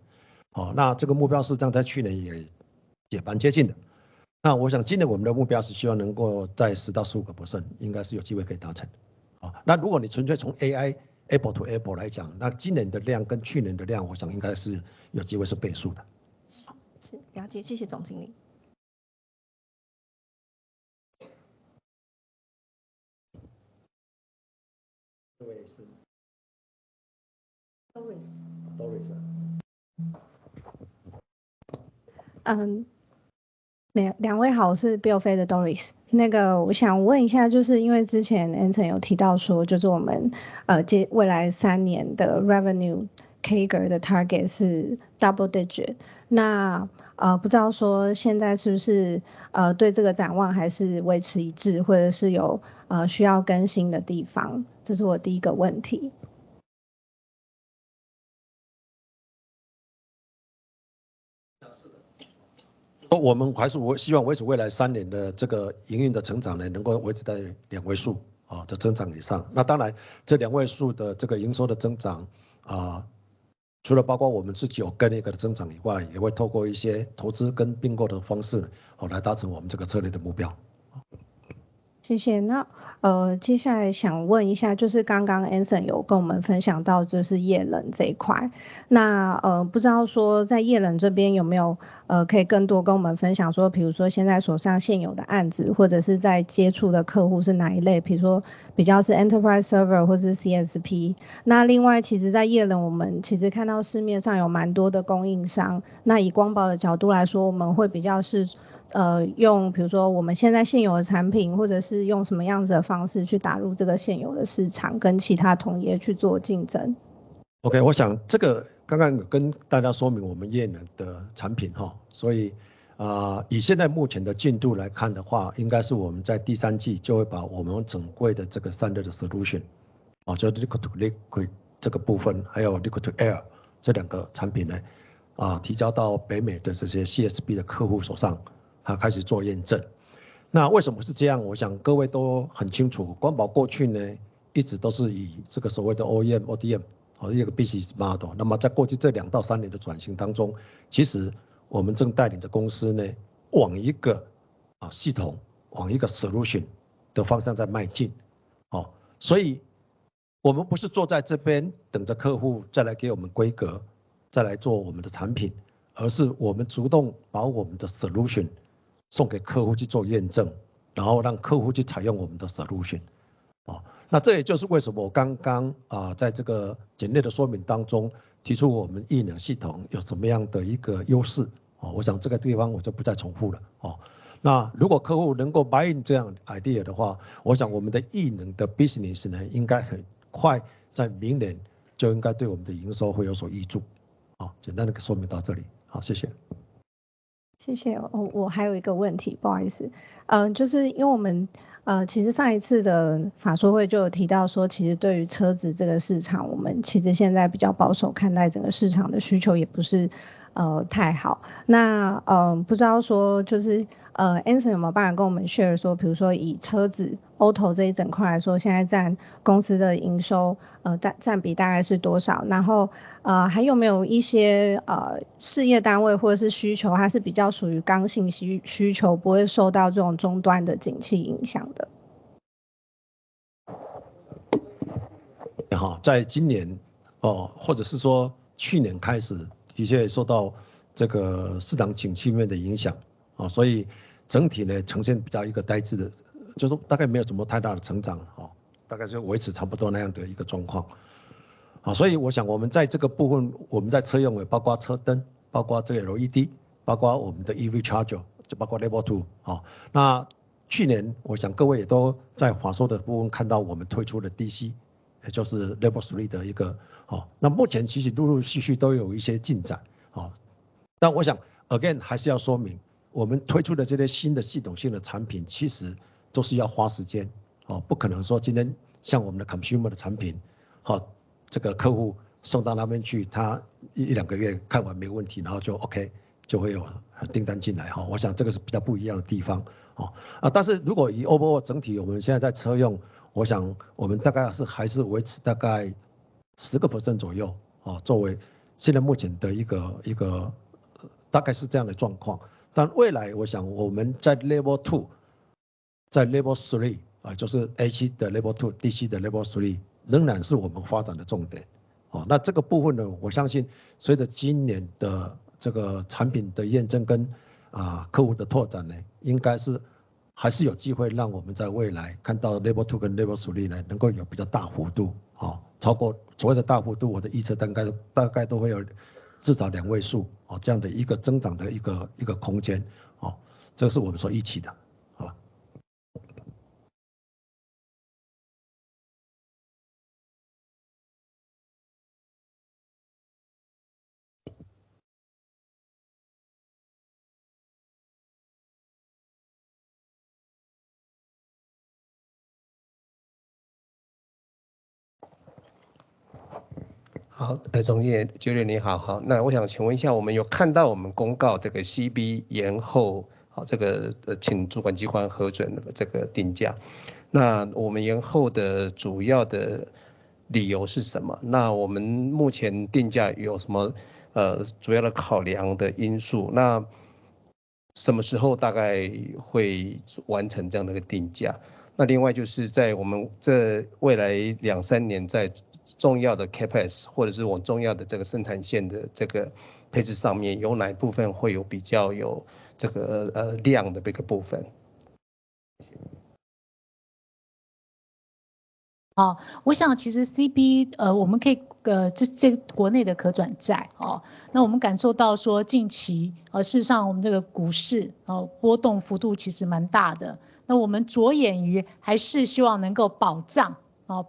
S2: 那这个目标是跟在去年也蛮接近的。那我想今年我们的目标是希望能够在10到 15%， 应该是有机会可以达成。那如果你纯粹从 AI，apple to apple 来 讲， 那今年的量跟去年的 量， 我想应该是有机会是倍数的。
S3: 是， 了 解， 谢谢总经理。
S1: 各位是 Doris。Doris。
S3: 两位 好， 我是比尔非的 Doris。我想问一 下， 就是因为之前 Anson 有提到 说， 就是我们未来三年的 revenue CAGR 的 target 是 double digit， 那不知道说现在是不是对这个展望还是维持一 致， 或者是有需要更新的地 方， 这是我第一个问题。
S2: 我们还是希望维持未来三年的这个营运的成长 呢， 能够维持在两位数的增长以上。那当 然， 这两位数的这个营收的增长，除了包括我们自己有 organic 的增长以 外， 也会透过一些投资跟并购的方式来达成我们这个策略的目标。
S3: 谢谢。那， 接下来想问一 下， 就是刚刚 Anson 有跟我们分享 到， 就是液冷这一 块， 那， 不知道说在液冷这边有没有可以更多跟我们分享 说， 譬如说现在手上现有的案 子， 或者是在接触的客户是哪一 类， 譬如说比较是 Enterprise Server 或是 CSP。那另外其實在液 冷， 我們其實看到市面上有蠻多的供應 商， 那以光寶的角度來 說， 我們會比較是， 呃， 用譬如說我們現在現有的產 品， 或者是用什麼樣子的方式去打入這個現有的市 場， 跟其他同業去做競爭。
S2: OK， 我想这个刚刚跟大家说明我们液冷的产 品， 所 以， 以现在目前的进度来看的 话， 应该是我们在第三季就会把我们整柜的这个散热的 solution， 就是 liquid cool 这个部 分， 还有 liquid air 这两个产 品， 提交到北美的这些 CSP 的客户手上，开始做验证。那为什么是这 样？ 我想各位都很清 楚， 光宝过去 呢， 一直都是以这个所谓的 OEM、ODM 一个 business model， 那么在过去这两到三年的转型当 中， 其实我们正带领着公司 呢， 往一个系 统， 往一个 solution 的方向在迈进。所以我们不是坐在这边等着客户再来给我们规 格， 再来做我们的产 品， 而是我们主动把我们的 solution 送给客户去做验 证， 然后让客户去采用我们的 solution。哦， 那这也就是为什么我刚 刚， 呃， 在这个简略的说明当 中， 提出我们液冷系统有什么样的一个优 势， 我想这个地方我就不再重复了。哦， 那如果客户能够 buy in 这样 idea 的 话， 我想我们的液冷的 business 呢， 应该很快在明年就应该对我们的营收会有所挹注。哦， 简单的说明到这里。好，谢谢。
S3: 谢谢。我还有一个问 题， 不好意 思， 就是因为我们其实上一次的法说会就有提到 说， 其实对于车子这个市 场， 我们其实现在比较保 守， 看待整个市场的需求也不是太 好， 那不知道说就是 Anson 有没有办法跟我们 share 说， 譬如说以车子 Auto 这一整块来 说， 现在占公司的营收占比大概是多 少， 然后还有没有一些事业单位或是需 求， 它是比较属于刚性需 求， 不会受到这种终端的景气影响的。
S2: 在今 年， 或者是说去年开 始， 的确受到这个市场景气面的影 响， 所以整体 呢， 呈现比较一个呆滞的，就是说大概没有什么太大的成长。大概就维持差不多那样的一个状况。好， 所以我想我们在这个部 分， 我们在车用也包括车 灯， 包括这个 LED， 包括我们的 EV charger， 就包括 level two。那去年我想各位也都在华硕的部 分， 看到我们推出的 DC， 也就是 level three 的一个。那目前其实陆陆续续都有一些进展。但我想 again， 还是要说 明， 我们推出的这些新的系统、新的产 品， 其实都是要花时 间， 不可能说今天像我们的 consumer 产 品， 这个客户送到那边 去， 他一两个月看完没问 题， 然后就 OK， 就会有订单进 来， 我想这个是比较不一样的地方。但是如果以 overall 整 体， 我们现在在车 用， 我想我们大概还是维持大概 10% 左 右， 哦， 作为现在目前的一 个， 一个大概是这样的状况。但未来我想我们在 level two， 在 level three， 呃， 就是 AC 的 level two，DC 的 level three， 仍然是我们发展的重 点， 哦。那这个部分 呢， 我相信随着今年的这个产品的验证跟客户的拓展 呢， 应该是还是有机会让我们在未来看到 level two 跟 level three 呢， 能够有比较大幅 度， 超过所谓的大幅 度， 我的预期大概都会有至少两位数这样的一个增长的一个空 间， 这是我们所预期 的， 好。
S4: 好， 崇业 ，Julius 你 好， 好， 那我想请问一 下， 我们有看到我们公告这个 CB 延 后， 这个请主管机关核准这个定 价， 那我们延后的主要的理由是什 么？ 那我们目前定价有什 么， 呃， 主要的考量的因 素？ 那什么时候大概会完成这样的一个定 价？ 那另外就是在我们这未来两三年在重要的 CapEx， 或者是我们重要的这个生产线的这个配置上 面， 有哪一部分会有比较有这 个， 呃， 量的这个部分。
S1: 好， 我想其实 CB， 呃， 我们可 以， 这——这国内的可转 债， 哦。那我们感受到说近 期， 而事实上我们这个股 市， 哦， 波动幅度其实蛮大 的， 那我们着眼于还是希望能够保障，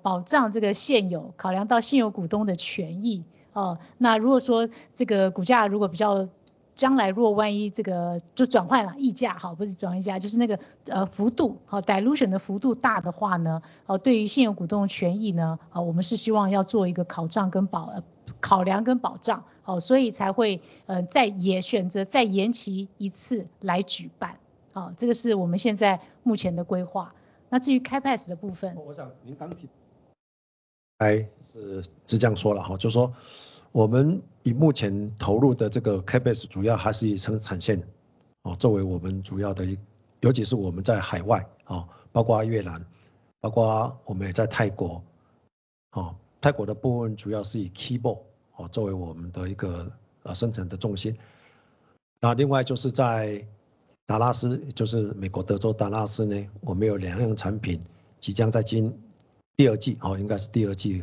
S1: 保障这个现 有， 考量到现有股东的权益。哦， 那如果说这个股价如果比 较， 将来如果万一这个就转换 了， 溢 价， 不是转 换， 就是那 个， 呃， 幅度 ，dilution 的幅度大的话 呢， 对于现有股东的权益 呢， 我们是希望要做一个考量跟保 障， 哦， 所以才 会， 呃， 再也选择再延期一次来举 办， 哦， 这个是我们现在目前的规划。那至于 CapEx 的部分——
S2: 我想您刚提到的是这样说 的， 就是 说， 我们以目前投入的这个 CapEx， 主要还是以生产线作为我们主要 的， 尤其是我们在海 外， 包括越 南， 包括我们也在泰 国， 泰国的部分主要是以 Kibo 作为我们的一个生产的重心。另外就是在达拉 斯， 也就是美国德州达拉 斯， 我们有两样产品即将在今年第二季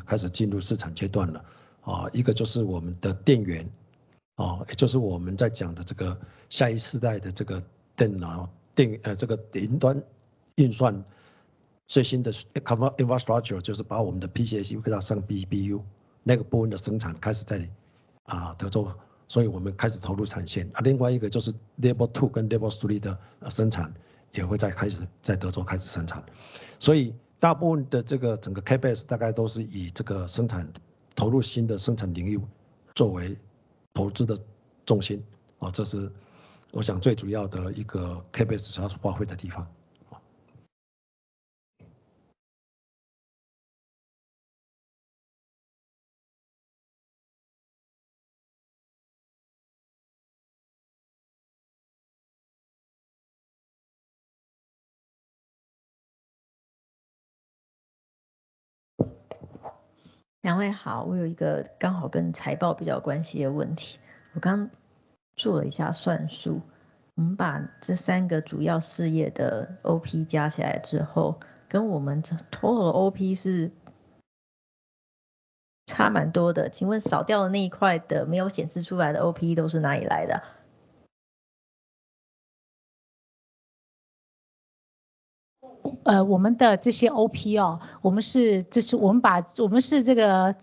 S2: 开始进入试产阶段了。一个就是我们的电 源， 也就是我们在讲的这个下一世代的电脑终端运算最新的 infrastructure， 就是把我们的 PCU 上 BBU 那个部分的生产开始在德州，所以我们开始投入产线。另外一个就是 level two 跟 level three 的生 产， 也会在开始在德州开始生产。所以大部分的这个整个 CapEx， 大概都是以这个生 产， 投入新的生产领域作为投资的重心。这是我想最主要的一个 CapEx 想要发挥的地方。
S5: 两位 好， 我有一个刚好跟财报比较有关系的问 题， 我刚刚做了一下算 数， 我们把这三个主要事业的 OP 加起来之 后， 跟我们总的 OP 是差蛮多 的， 请问少掉的那一块 的， 没有显示出来的 OP 都是哪里来的 啊？
S1: 我们的这些 OP， 我们 是， 就是我们 把， 我们是这 个，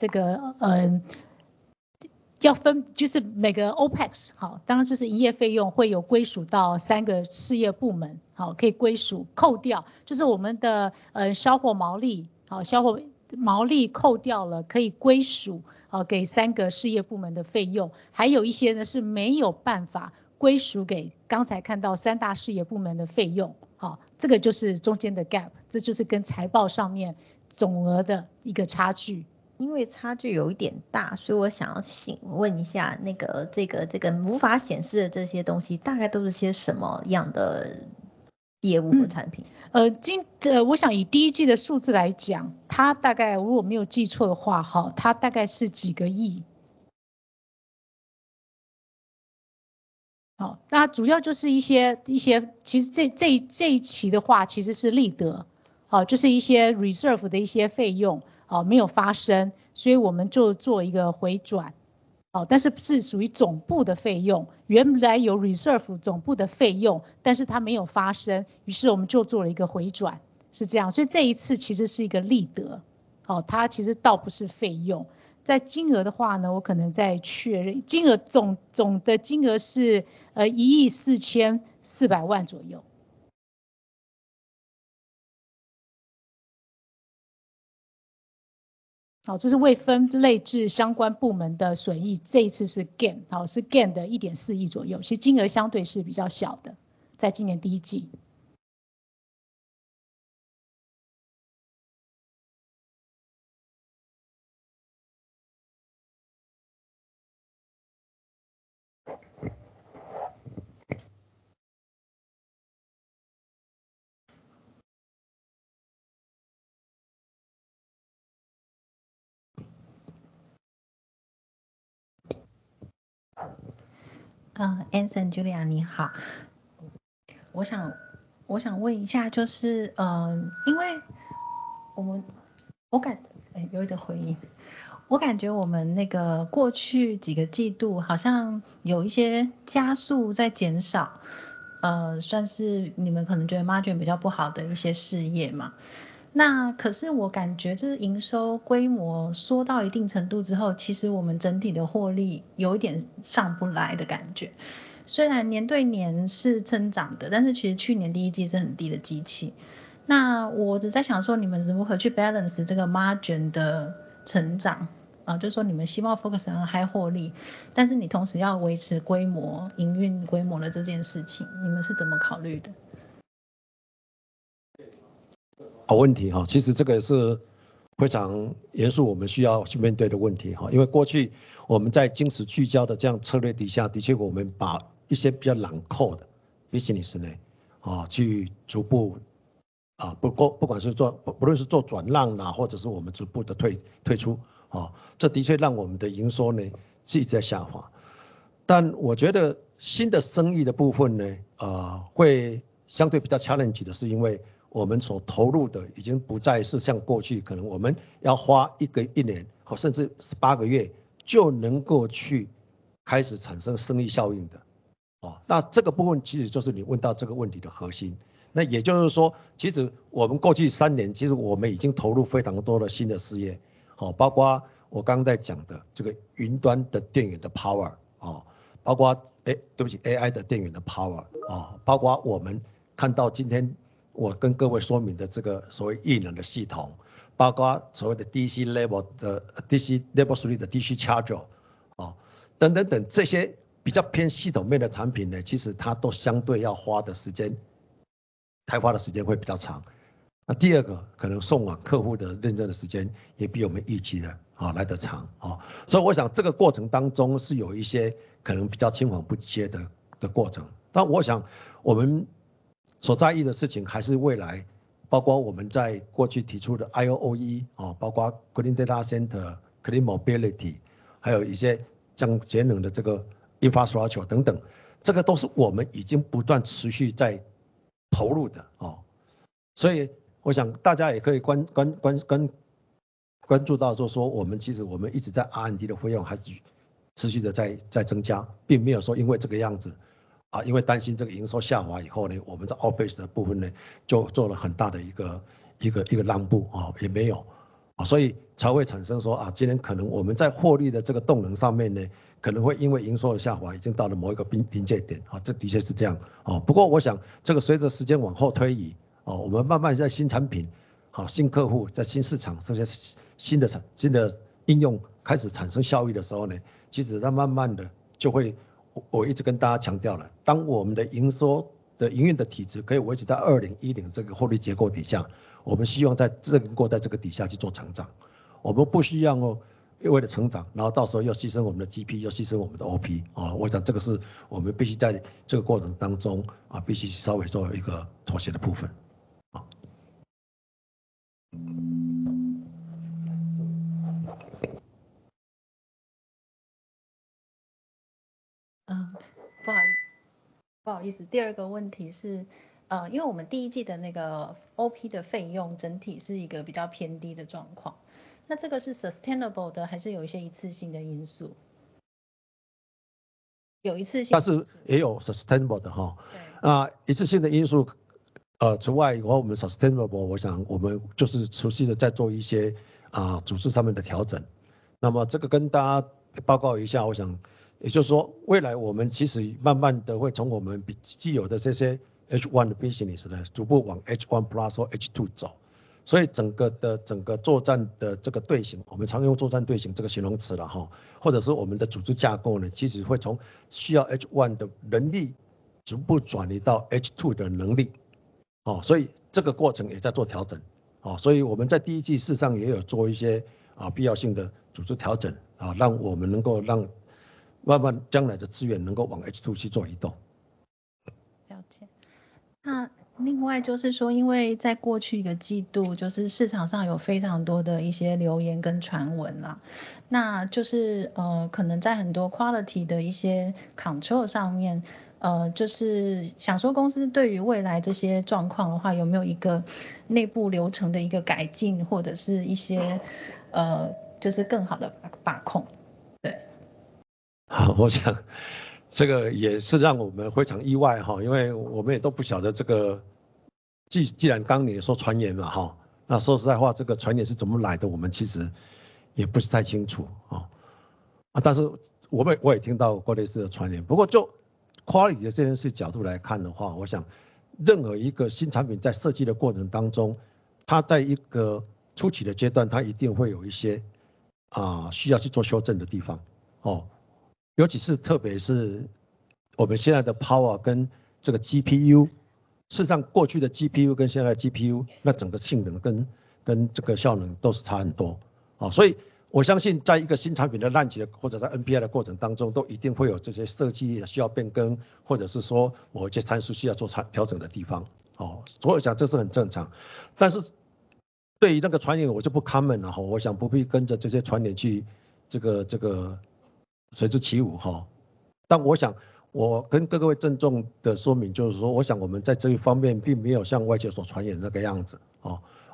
S1: 要 分， 就是每个 OPEX， 当然就是营业费用会有归属到三个事业部 门， 可以归 属， 扣 掉， 就是我们的销货毛 利， 销货毛利扣掉 了， 可以归属给三个事业部门的费用。还有一些 呢， 是没有办法归属给刚才看到三大事业部门的费用， 好， 这个就是中间的 gap， 这就是跟财报上面总额的一个差距。
S5: 因为差距有一点 大， 所以我想要请问一 下， 那 个， 这 个， 这个无法显示的这些东西大概都是些什么样的业务或产 品？
S1: 呃， 经， 我想以第一季的数字来 讲， 它大概如果没有记错的 话， 它大概是几个亿。好， 那主要就是一 些， 一 些， 其实 这， 这一期的 话， 其实是利 得， 就是一些 reserve 的一些费用没有发 生， 所以我们就做一个回 转， 但是是属于总部的费 用， 原来有 reserve 总部的费 用， 但是它没有发 生， 于是我们就做了一个回 转， 是这 样， 所以这一次其实是一个利 得， 它其实倒不是费用。在金额的话 呢， 我可能再确 认， 金额 总， 总的金额是呃 ，¥1.44 亿左右。好， 这是未分类至相关部门的损 益， 这一次是 gain， 是 gain 的 ¥1.4 亿左 右， 其实金额相对是比较小 的， 在今年第一季。
S6: Anson、Julia， 你 好， 我想问一 下， 就 是， 呃， 因为我 们， 我感觉有一点回 音， 我感觉我们那个过去几个季度好像有一些加速在减 少， 呃， 算是你们可能觉得 margin 比较不好的一些事业嘛。那可是我感觉这是营收规模缩到一定程度之 后， 其实我们整体的获利有一点上不来的感 觉， 虽然年对年是增长 的， 但是其实去年第一季是很低的基期。那我只是在想 说， 你们如何去 balance 这个 margin 的成 长， 就是说你们希望 focus on high 获 利， 但是你同时要维持规 模， 营运规模的这件事 情， 你们是怎么考虑的？
S2: 好问 题， 其实这个也是非常严 肃， 我们需要去面对的问 题， 因为过去我们在精实聚焦的这样策略底下的 确， 我们把一些比较冷门的 business 呢， 去逐 步， 不 过， 不管是 做， 不论是做转 让， 或者是我们逐步地 退， 退 出， 这的确让我们的营收呢自己在下滑。但我觉得新的生意的部分 呢， 会相对比较 challenging 的 是， 因为我们所投入的已经不再是像过 去， 可能我们要花一个一年甚至十八个月就能够去开始产生收益效应的。那这个部分其实就是你问到这个问题的核心。那也就是 说， 其实我们过去三 年， 其实我们已经投入非常多的新的事 业， 包括我刚刚在讲的这个云端的电源的 power， 包 括， 欸， 对不起 ，AI 的电源的 power， 包括我们看到今天我跟各位说明的这个所谓液冷的系 统， 包括所谓的 DC level 的 DC level three 的 DC charger 等等 等， 这些比较偏系统面的产品 呢， 其实它都相对要花的时 间， 开发的时间会比较长。第二 个， 可能送往客户的认证的时间也比我们预期的来得长。所以我想这个过程当中是有一些可能比较青黄不接的过 程， 但我想我们所在意的事情还是未 来， 包括我们在过去提出的 IOEE， 包括 green data center、clean mobility， 还有一些像节能的 infrastructure 等 等， 这些都是我们已经不断持续在投入的。所以我想大家也可以关注到就是 说， 我们其实我们一直在 R&D 的费用还是持续地在增 加， 并没有说因为这个样子，因为担心这个营收下滑以后 呢， 我们在 office 的部分 呢， 就做了很大的一个浪 步， 也没 有， 所以才会产生 说， 啊， 今年可能我们在获利的这个动能上面 呢， 可能会因为营收的下 滑， 已经到了某一个瓶颈 点， 这的确是这样。不过我想这个随着时间往后推 移， 我们慢慢在新产品、新客 户， 在新市 场， 这些新的、新的应用开始产生效益的时候 呢， 其实它慢慢地就 会， 我一直跟大家强调 了， 当我们的营收的营运的体质可以维持在2010这个获利结构底 下， 我们希望在这个在这个底下去做成 长， 我们不需要为了成 长， 然后到时候又牺牲我们的 GP， 又牺牲我们的 OP。我想这个是我们必须在这个过程当 中， 必须稍微做有一个妥协的部分。
S6: 呃，不 好， 不好意 思， 第二个问题 是， 呃， 因为我们第一季的那个 OP 的费用整体是一个比较偏低的状 况， 那这个是 sustainable 的， 还是有一些一次性的因 素？ 有一次性。
S2: 但是也有 sustainable 的哦。那一次性的因 素， 呃， 除外以 后， 我们 sustainable， 我想我们就是持续地在做一些组织上面的调 整， 那么这个跟大家报告一 下， 我 想， 也就是 说， 未来我们其实慢慢地会从我们既有的这些 H1 business 逐步往 H1 plus 或 H2 走， 所以整个 的， 整个作战的这个队 形， 我们常用作战队形这个形容词 啦， 或者是我们的组织架构 呢， 其实会从需要 H1 的人力逐步转移到 H2 的人 力， 所以这个过程也在做调整。所以我们在第一季事实上也有做一些必要性的组织调 整， 让我们能够让慢慢将来的资源能够往 H2 去做移动。
S6: 另外就是 说， 因为在过去一个季 度， 市场上有非常多的一些流言跟传 闻， 那就 是， 可能在很多 quality 的一些 control 上 面， 就是想说公司对于未来这些状况的 话， 有没有一个内部流程的一个改 进， 或者是一些更好的把控，对。
S2: 好， 我想这个也是让我们非常意 外， 因为我们也都不晓得这 个， 既， 既然刚刚你也说传言了 吼， 那说实在 话， 这个传言是怎么来 的， 我们其实也不是太清 楚， 哦。但是我 也， 我也听到过类似的传 言， 不过就 quality 的这件事角度来看的 话， 我想任何一个新产品在设计的过程当 中， 它在一个初期的阶 段， 它一定会有一些需要去做修正的地方。尤其 是， 特别是我们现在的 power 跟这个 GPU， 事实上过去的 GPU 跟现在的 GPU， 那整个性能跟效能都是差很多。所以我相信在一个新产品的 launch 或者在 NPI 的过程当 中， 都一定会有这些设计需要变 更， 或者是说某些参数需要做调整的地方。所以我想这是很正常。但是对于那个传言我就不 comment 了， 我想不必跟着这些传言去随之起舞。但我 想， 我跟各位郑重地说 明， 就是 说， 我想我们在这一方面并没有像外界所传言的那个样子。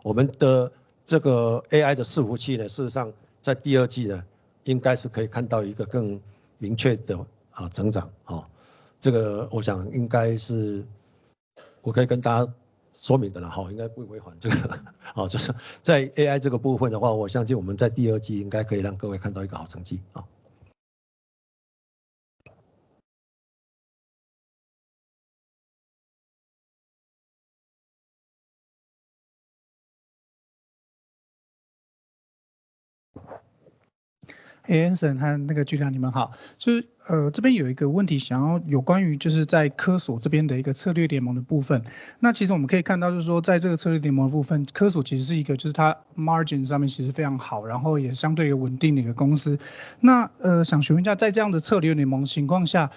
S2: 我们的这个 AI 的服务器 呢， 事实上在第二季 呢， 应该是可以看到一个更明确的成长。这个我想应该是我可以跟大家说明的 啦， 应该不会， 就是在 AI 这个部分的 话， 我相信我们在第二季应该可以让各位看到一个好成绩。
S7: Anson 和那个局长你们 好， 就 是， 呃， 这边有一个问题想要有关于就是在科索这边的一个策略联盟的部 分， 那其实我们可以看到就是 说， 在这个策略联盟部 分， 科索其实是一 个， 就是它 margin 上面其实非常 好， 然后也相对稳定的一个公司。那， 想询问一 下， 在这样的策略联盟情况 下，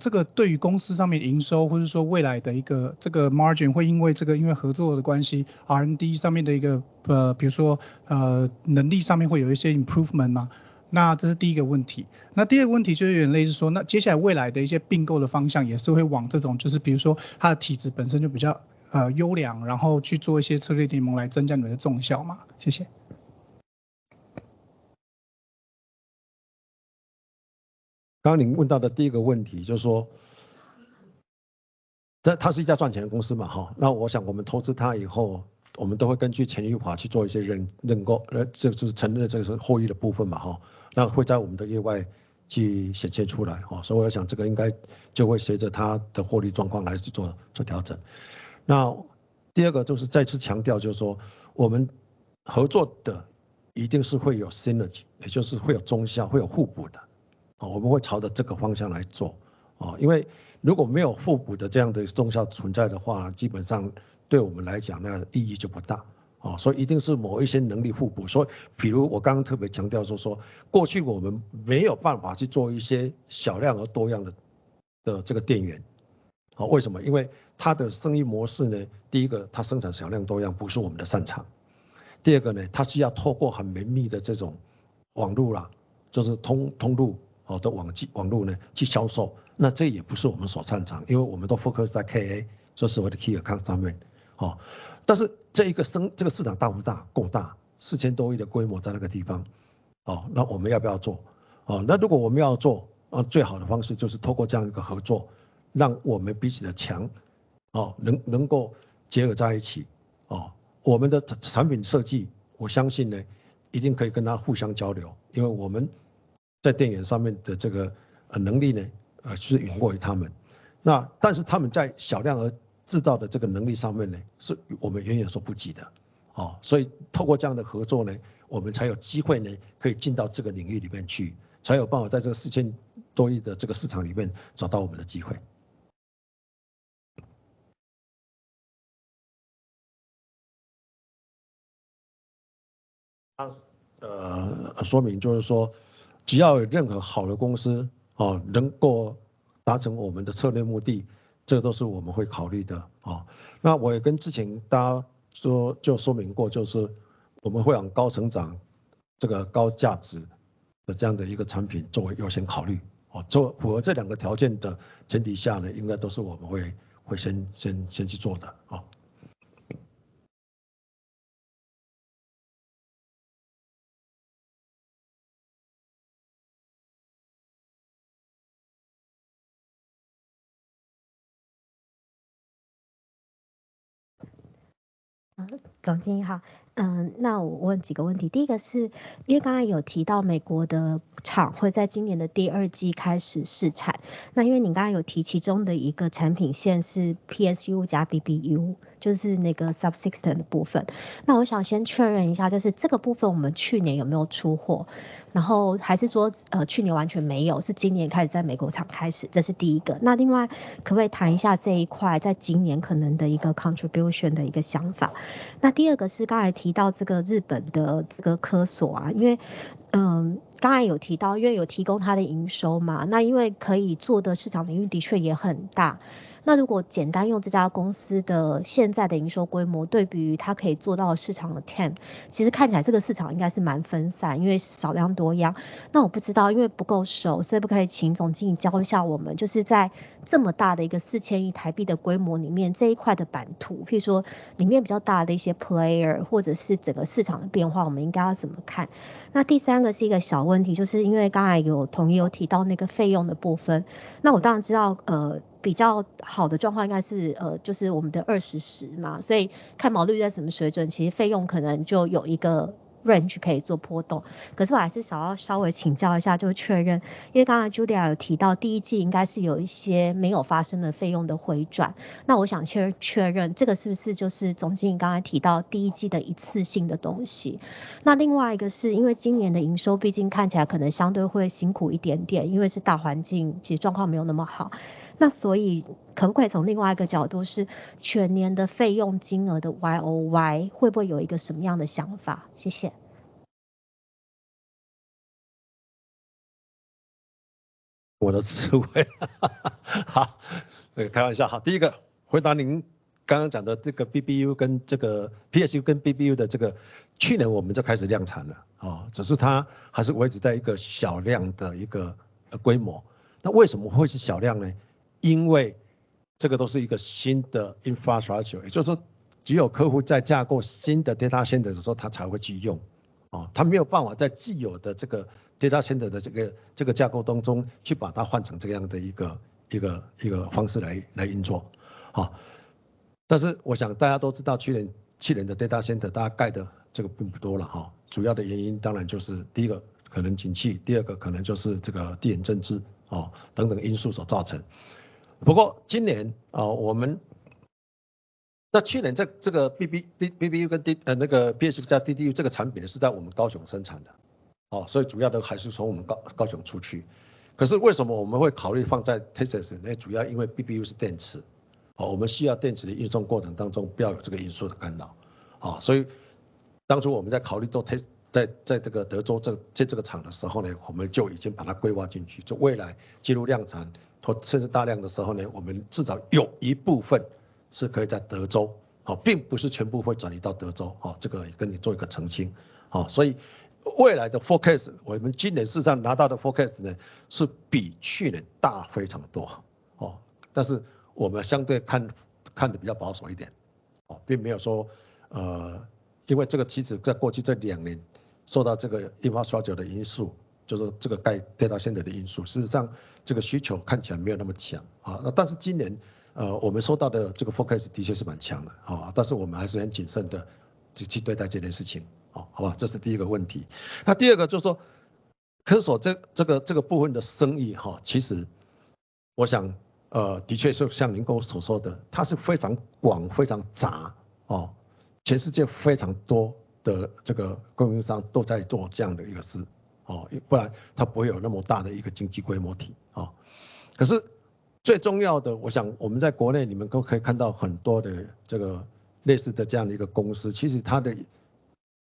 S7: 这个对于公司上面的营 收， 或是说未来的一个 margin， 会因为这 个， 因为合作的关系 ，R&D 上面的一 个， 比如 说， 能力上面会有一些 improvement 吗？ 那这是第一个问题。那第二个问题就是有点类似 说， 那接下来未来的一些并购的方向也是会往这 种， 就是比如说它的体质本身就比较优 良， 然后去做一些策略联盟来增加你们的综效 吗？ 谢谢。
S2: 刚刚您问到的第一个问 题， 就是 说， 它是一家赚钱的公 司， 那我想我们投资它以后，我们都会根据权益法去做一些认 购， 这就是承认这个收益的部 分， 那会在我们的业外去显现出 来， 所以我想这个应该就会随着它的获利状况来去做调整。第二个就是再次强 调， 就是说我们合作的一定是会有 synergy， 也就是会有综 效， 会有互补 的， 我们会朝着这个方向来做。因为如果没有互补的这样的综效存在的 话， 基本上对我们来讲那个意义就不 大， 所以一定是某一些能力互补。所 以， 譬如我刚刚特别强调 说， 过去我们没有办法去做一些小量和多样的这个电 源， 为什 么？ 因为它的生意模式 呢， 第一 个， 它生产少量多 样， 不是我们的擅 长； 第二个 呢， 它需要透过很绵密的这种网路 啦， 就是通路或者网路呢去销 售， 那这也不是我们所擅 长， 因为我们都 focus 在 KA， 就是所谓的 key account 上 面， 哦。但是这一个市场大不 大？ 够 大， 四千多亿的规模在那个地 方， 哦， 那我们要不要 做？ 哦， 那如果我们要 做， 最好的方式就是透过这样一个合 作， 让我们彼此的强项能够结合在一起。我们的产品设 计， 我相信 呢， 一定可以跟它互相交 流， 因为我们在电源上面的这个能力 呢， 是远过于他们。那但是他们在小量制造的这个能力上面 呢， 是我们远远所不及的。所以透过这样的合作 呢， 我们才有机会 呢， 可以进到这个领域里面 去， 才有办法在这个四千多亿的这个市场里面找到我们的机会。说明就是 说， 只要有任何好的公 司， 能够达成我们的策略目的，这都是我们会考虑的。那我也跟之前大家 说， 就说明 过， 就是我们会往高成长这个高价值的这样的一个产品作为优先考虑。符合这两个条件的前提下 呢， 应该都是我们会先去做的，哦。
S8: 总经理 好， 那我问几个问题。第一个 是， 因为刚才有提到美国的厂会在今年的第二季开始试 产， 那因为您刚才有提其中的一个产品线是 PSU 加 BBU， 就是那个 Subsystem 的部 分， 那我想先确认一 下， 就是这个部分我们去年有没有出 货， 然后还是说去年完全没 有， 是今年开始在美国厂开 始， 这是第一个。那另外可不可以谈一下这一块在今年可能的一个 contribution 的一个想法。那第二个是刚才提到这个日本的这个科 索， 因 为， 呃， 刚才有提 到， 因为有提供它的营收 嘛， 那因为可以做的市场领域的确也很大。那如果简单用这家公司的现在的营收规 模， 对比于它可以做到的市场的 TAM， 其实看起来这个市场应该是蛮分 散， 因为少量多 样， 那我不知 道， 因为不够 熟， 所以不可以请总经理教一下我 们， 就是在这么大的一个四千亿台币的规模里 面， 这一块的版 图， 譬如说里面比较大的一些 player， 或者是整个市场的变 化， 我们应该要怎么看？第三个是一个小问 题， 就是因为刚才有同仁有提到费用的部 分， 我当然知道比较好的状况应该是我们的二十 十， 所以看毛利率在什么水 准， 其实费用可能就有一个 range 可以做波动。可是我还是想要稍微请教一 下， 就是确 认， 因为刚才 Julia 有提 到， 第一季应该是有一些没有发生的费用的回 转， 那我想确 认， 确认这个是不是就是总经理刚才提到第一季的一次性的东西。那另外一个是因为今年的营收毕竟看起来可能相对会辛苦一点 点， 因为是大环 境， 其实状况没有那么好。那所以可不可以从另外一个角度是全年的费用金额的 YoY， 会不会有一个什么样的想 法？ 谢谢。
S2: 我的智慧。好， 开玩笑。好， 第一 个， 回答您刚刚讲的这个 BBU 跟这个 PSU 跟 BBU 的这 个， 去年我们就开始量产 了， 哦， 只是它还是维持在一个小量的一个规模。那为什么会是小量呢？因为这个都是一个新的 infrastructure， 也就是说只有客户在架构新的 data center 的时 候， 他才会去用。他没有办法在既有的这个 data center 的这个架构当 中， 去把它换成这样的一个方式来运作。但是我想大家都知 道， 去 年， 去年的 data center 大家盖的这个不多了 吼， 主要的原因当然就是第一个可能景 气， 第二个可能就是这个地缘政 治， 等等因素所造成。不过今 年， 我 们， 在去 年， 在这个 BBU 跟那个 PSU 加 BBU 这个产品是在我们高雄生产 的， 所以主要的还是从我们高雄出去。可是为什么我们会考虑放在 Texas 呢？ 主要因为 BBU 是电 池， 我们需要电池的运作过程当中不要有这个因素的干扰。所以当初我们在考虑做 Texas， 在这个德州 这， 在这个厂的时候 呢， 我们就已经把它规划进 去， 就未来进入量产或甚至大量的时候 呢， 我们至少有一部分是可以在德 州， 并不是全部会转移到德 州， 这个也跟你做一个澄清。哦， 所以未来的 forecast， 我们今年事实上拿到的 forecast 呢， 是比去年大非常 多， 哦， 但是我们相对 看， 看得比较保守一 点， 并没有 说， 呃， 因为这个期指在过去这两年受到这个 infrastructure 的因素，就是这个盖 data center 的因 素， 事实上这个需求看起来没有那么 强， 哦。但是今 年， 呃， 我们收到的这个 forecast 的确是蛮强 的， 哦， 但是我们还是很谨慎地去对待这件事 情， 哦， 好不 好？ 这是第一个问题。那第二个就是 说， 科索 这， 这 个， 这个部分的生 意， 其实我 想， 的确就像您所说 的， 它是非常 广， 非常 杂， 全世界非常多的这个供应商都在做这样的一个事，不然它不会有那么大的一个经济规模体。可是最重要 的， 我想我们在国内你们都可以看到很多的这个类似的这样一个公 司， 其实它的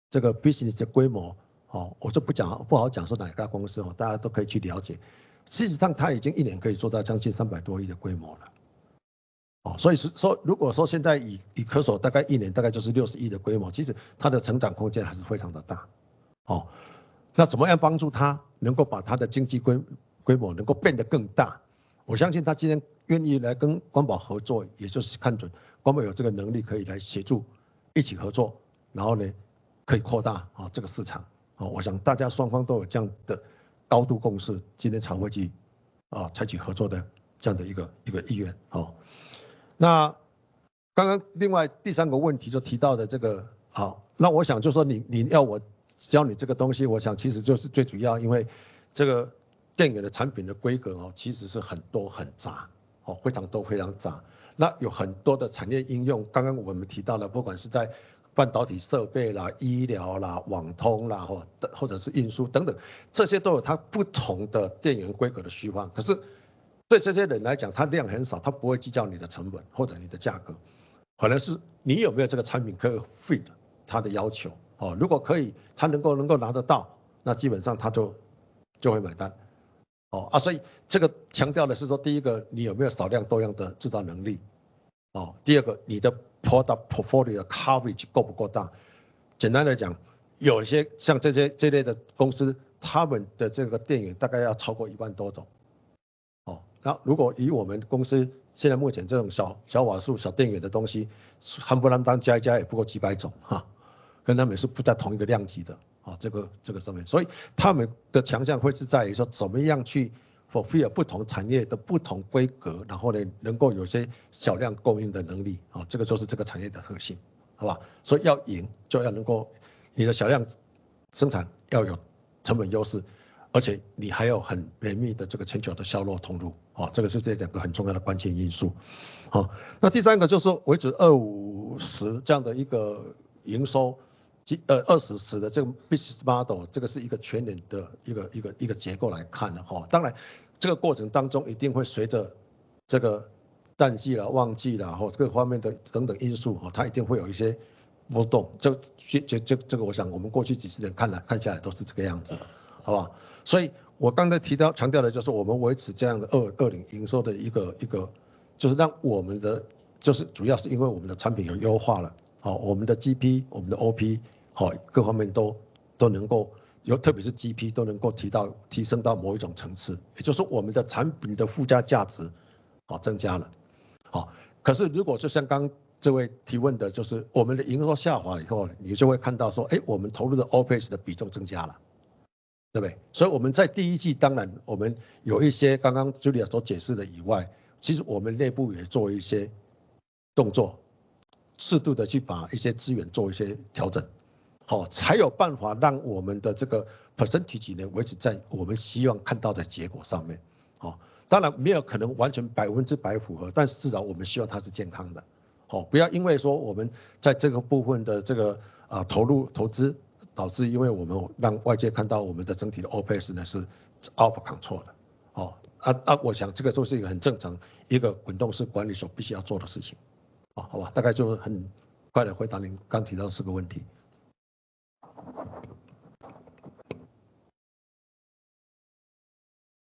S2: 这个 business 的规 模， 哦， 我就不 讲， 不好讲是哪一家公 司， 大家都可以去了解。事实上它已经一年可以做到将近三百多亿的规模了。哦， 所以 说， 如果说现在 以， 以科索大概一年大概就是六十亿的规 模， 其实它的成长空间还是非常的 大， 哦。那怎么样帮助它能够把它的经济规模能够变得更 大？ 我相信它今天愿意来跟光宝合 作， 也就是看准光宝有这个能 力， 可以来协 助， 一起合 作， 然后 呢， 可以扩大这个市场。我想大家双方都有这样的高度共 识， 今天才会去采取合作的这样的一个意愿。那刚刚另外第三个问题就提到了这 个， 好， 那我想就是说 你， 你要我教你这个东 西， 我想其实就是最主要因为这个电源的产品的规格 哦， 其实是很多很 杂， 哦， 非常 多， 非常杂。那有很多的产业应 用， 刚刚我们提到 的， 不管是在半导体设备啦、医疗啦、网通 啦， 或， 或者是运输等 等， 这些都有它不同的电源规格的需求。可是对这些人来 讲， 他量很 少， 他不会计较你的成本或者你的价 格， 可能是你有没有这个产品可以 fit 他的要求。如果可 以， 他能够拿得 到， 那基本上他就会买单。所以这个强调的是 说， 第一 个， 你有没有少量多样的制造能 力； 第二 个， 你的 product portfolio coverage 够不够大。简单来 讲， 有些像这 些， 这类的公 司， 他们的这个电源大概要超过一万多种。哦， 那如果以我们公司现在目前这种 小， 小瓦数小电源的东 西， 含糊乱当加一加也不过几百种。跟他们也是不在同一个量级 的， 啊， 这 个， 这个上面。所以他们的强项会是在于说怎么样去 fulfill 不同产业的不同规 格， 然后 呢， 能够有些小量供应的能 力， 哦， 这个就是这个产业的特 性， 好不 好？ 所以要 赢， 就要能够你的小量生产要有成本优 势， 而且你还有很绵密的这个全球的销售通 路， 哦， 这个是这两个很重要的关键因素。好， 那第三个就是说维持二十五十这样的一个营 收， 呃， 二十十的这个 business model， 这个是一个全年的一个结构来看呢。当 然， 这个过程当中一定会随着这个淡季啦、旺季啦或这个方面的等等因 素， 它一定会有一些波 动， 这个我想我们过去几十年看下来都是这个样 子， 好不 好？ 所以我刚才提到强调的就是我们维持这样的2020营收的一 个， 一 个， 就是让我们 的， 就是主要是因为我们的产品有优化 了， 我们的 GP， 我们的 OP， 好， 各方面 都， 都能 够， 尤其是 GP 都能够提到提升到某一种层 次， 也就是我们的产品的附加价 值， 好， 增加了。哦， 可是如果就像刚刚这位提问 的， 就是我们的营收下滑以后 呢， 你就会看到 说， 欸， 我们投入的 Opex 的比重增加 了， 对不 对？ 所以我们在第一 季， 当然我们有一些刚刚 Julia 所解释的以 外， 其实我们内部也做一些动 作， 适度地去把一些资源做一些调整， 哦， 才有办法让我们的这个 percentage 呢， 维持在我们希望看到的结果上 面， 哦。当然没有可能完全百分之百符 合， 但是至少我们希望它是健康的。不要因为说我们在这个部分的投入投 资， 导致因为我们让外界看到我们的整体的 Opex 是 out of control 的。我想这个就是一个很正 常， 一个滚动式管理所必须要做的事情。好不 好？ 大概就是很快地回答您刚刚提到四个问题。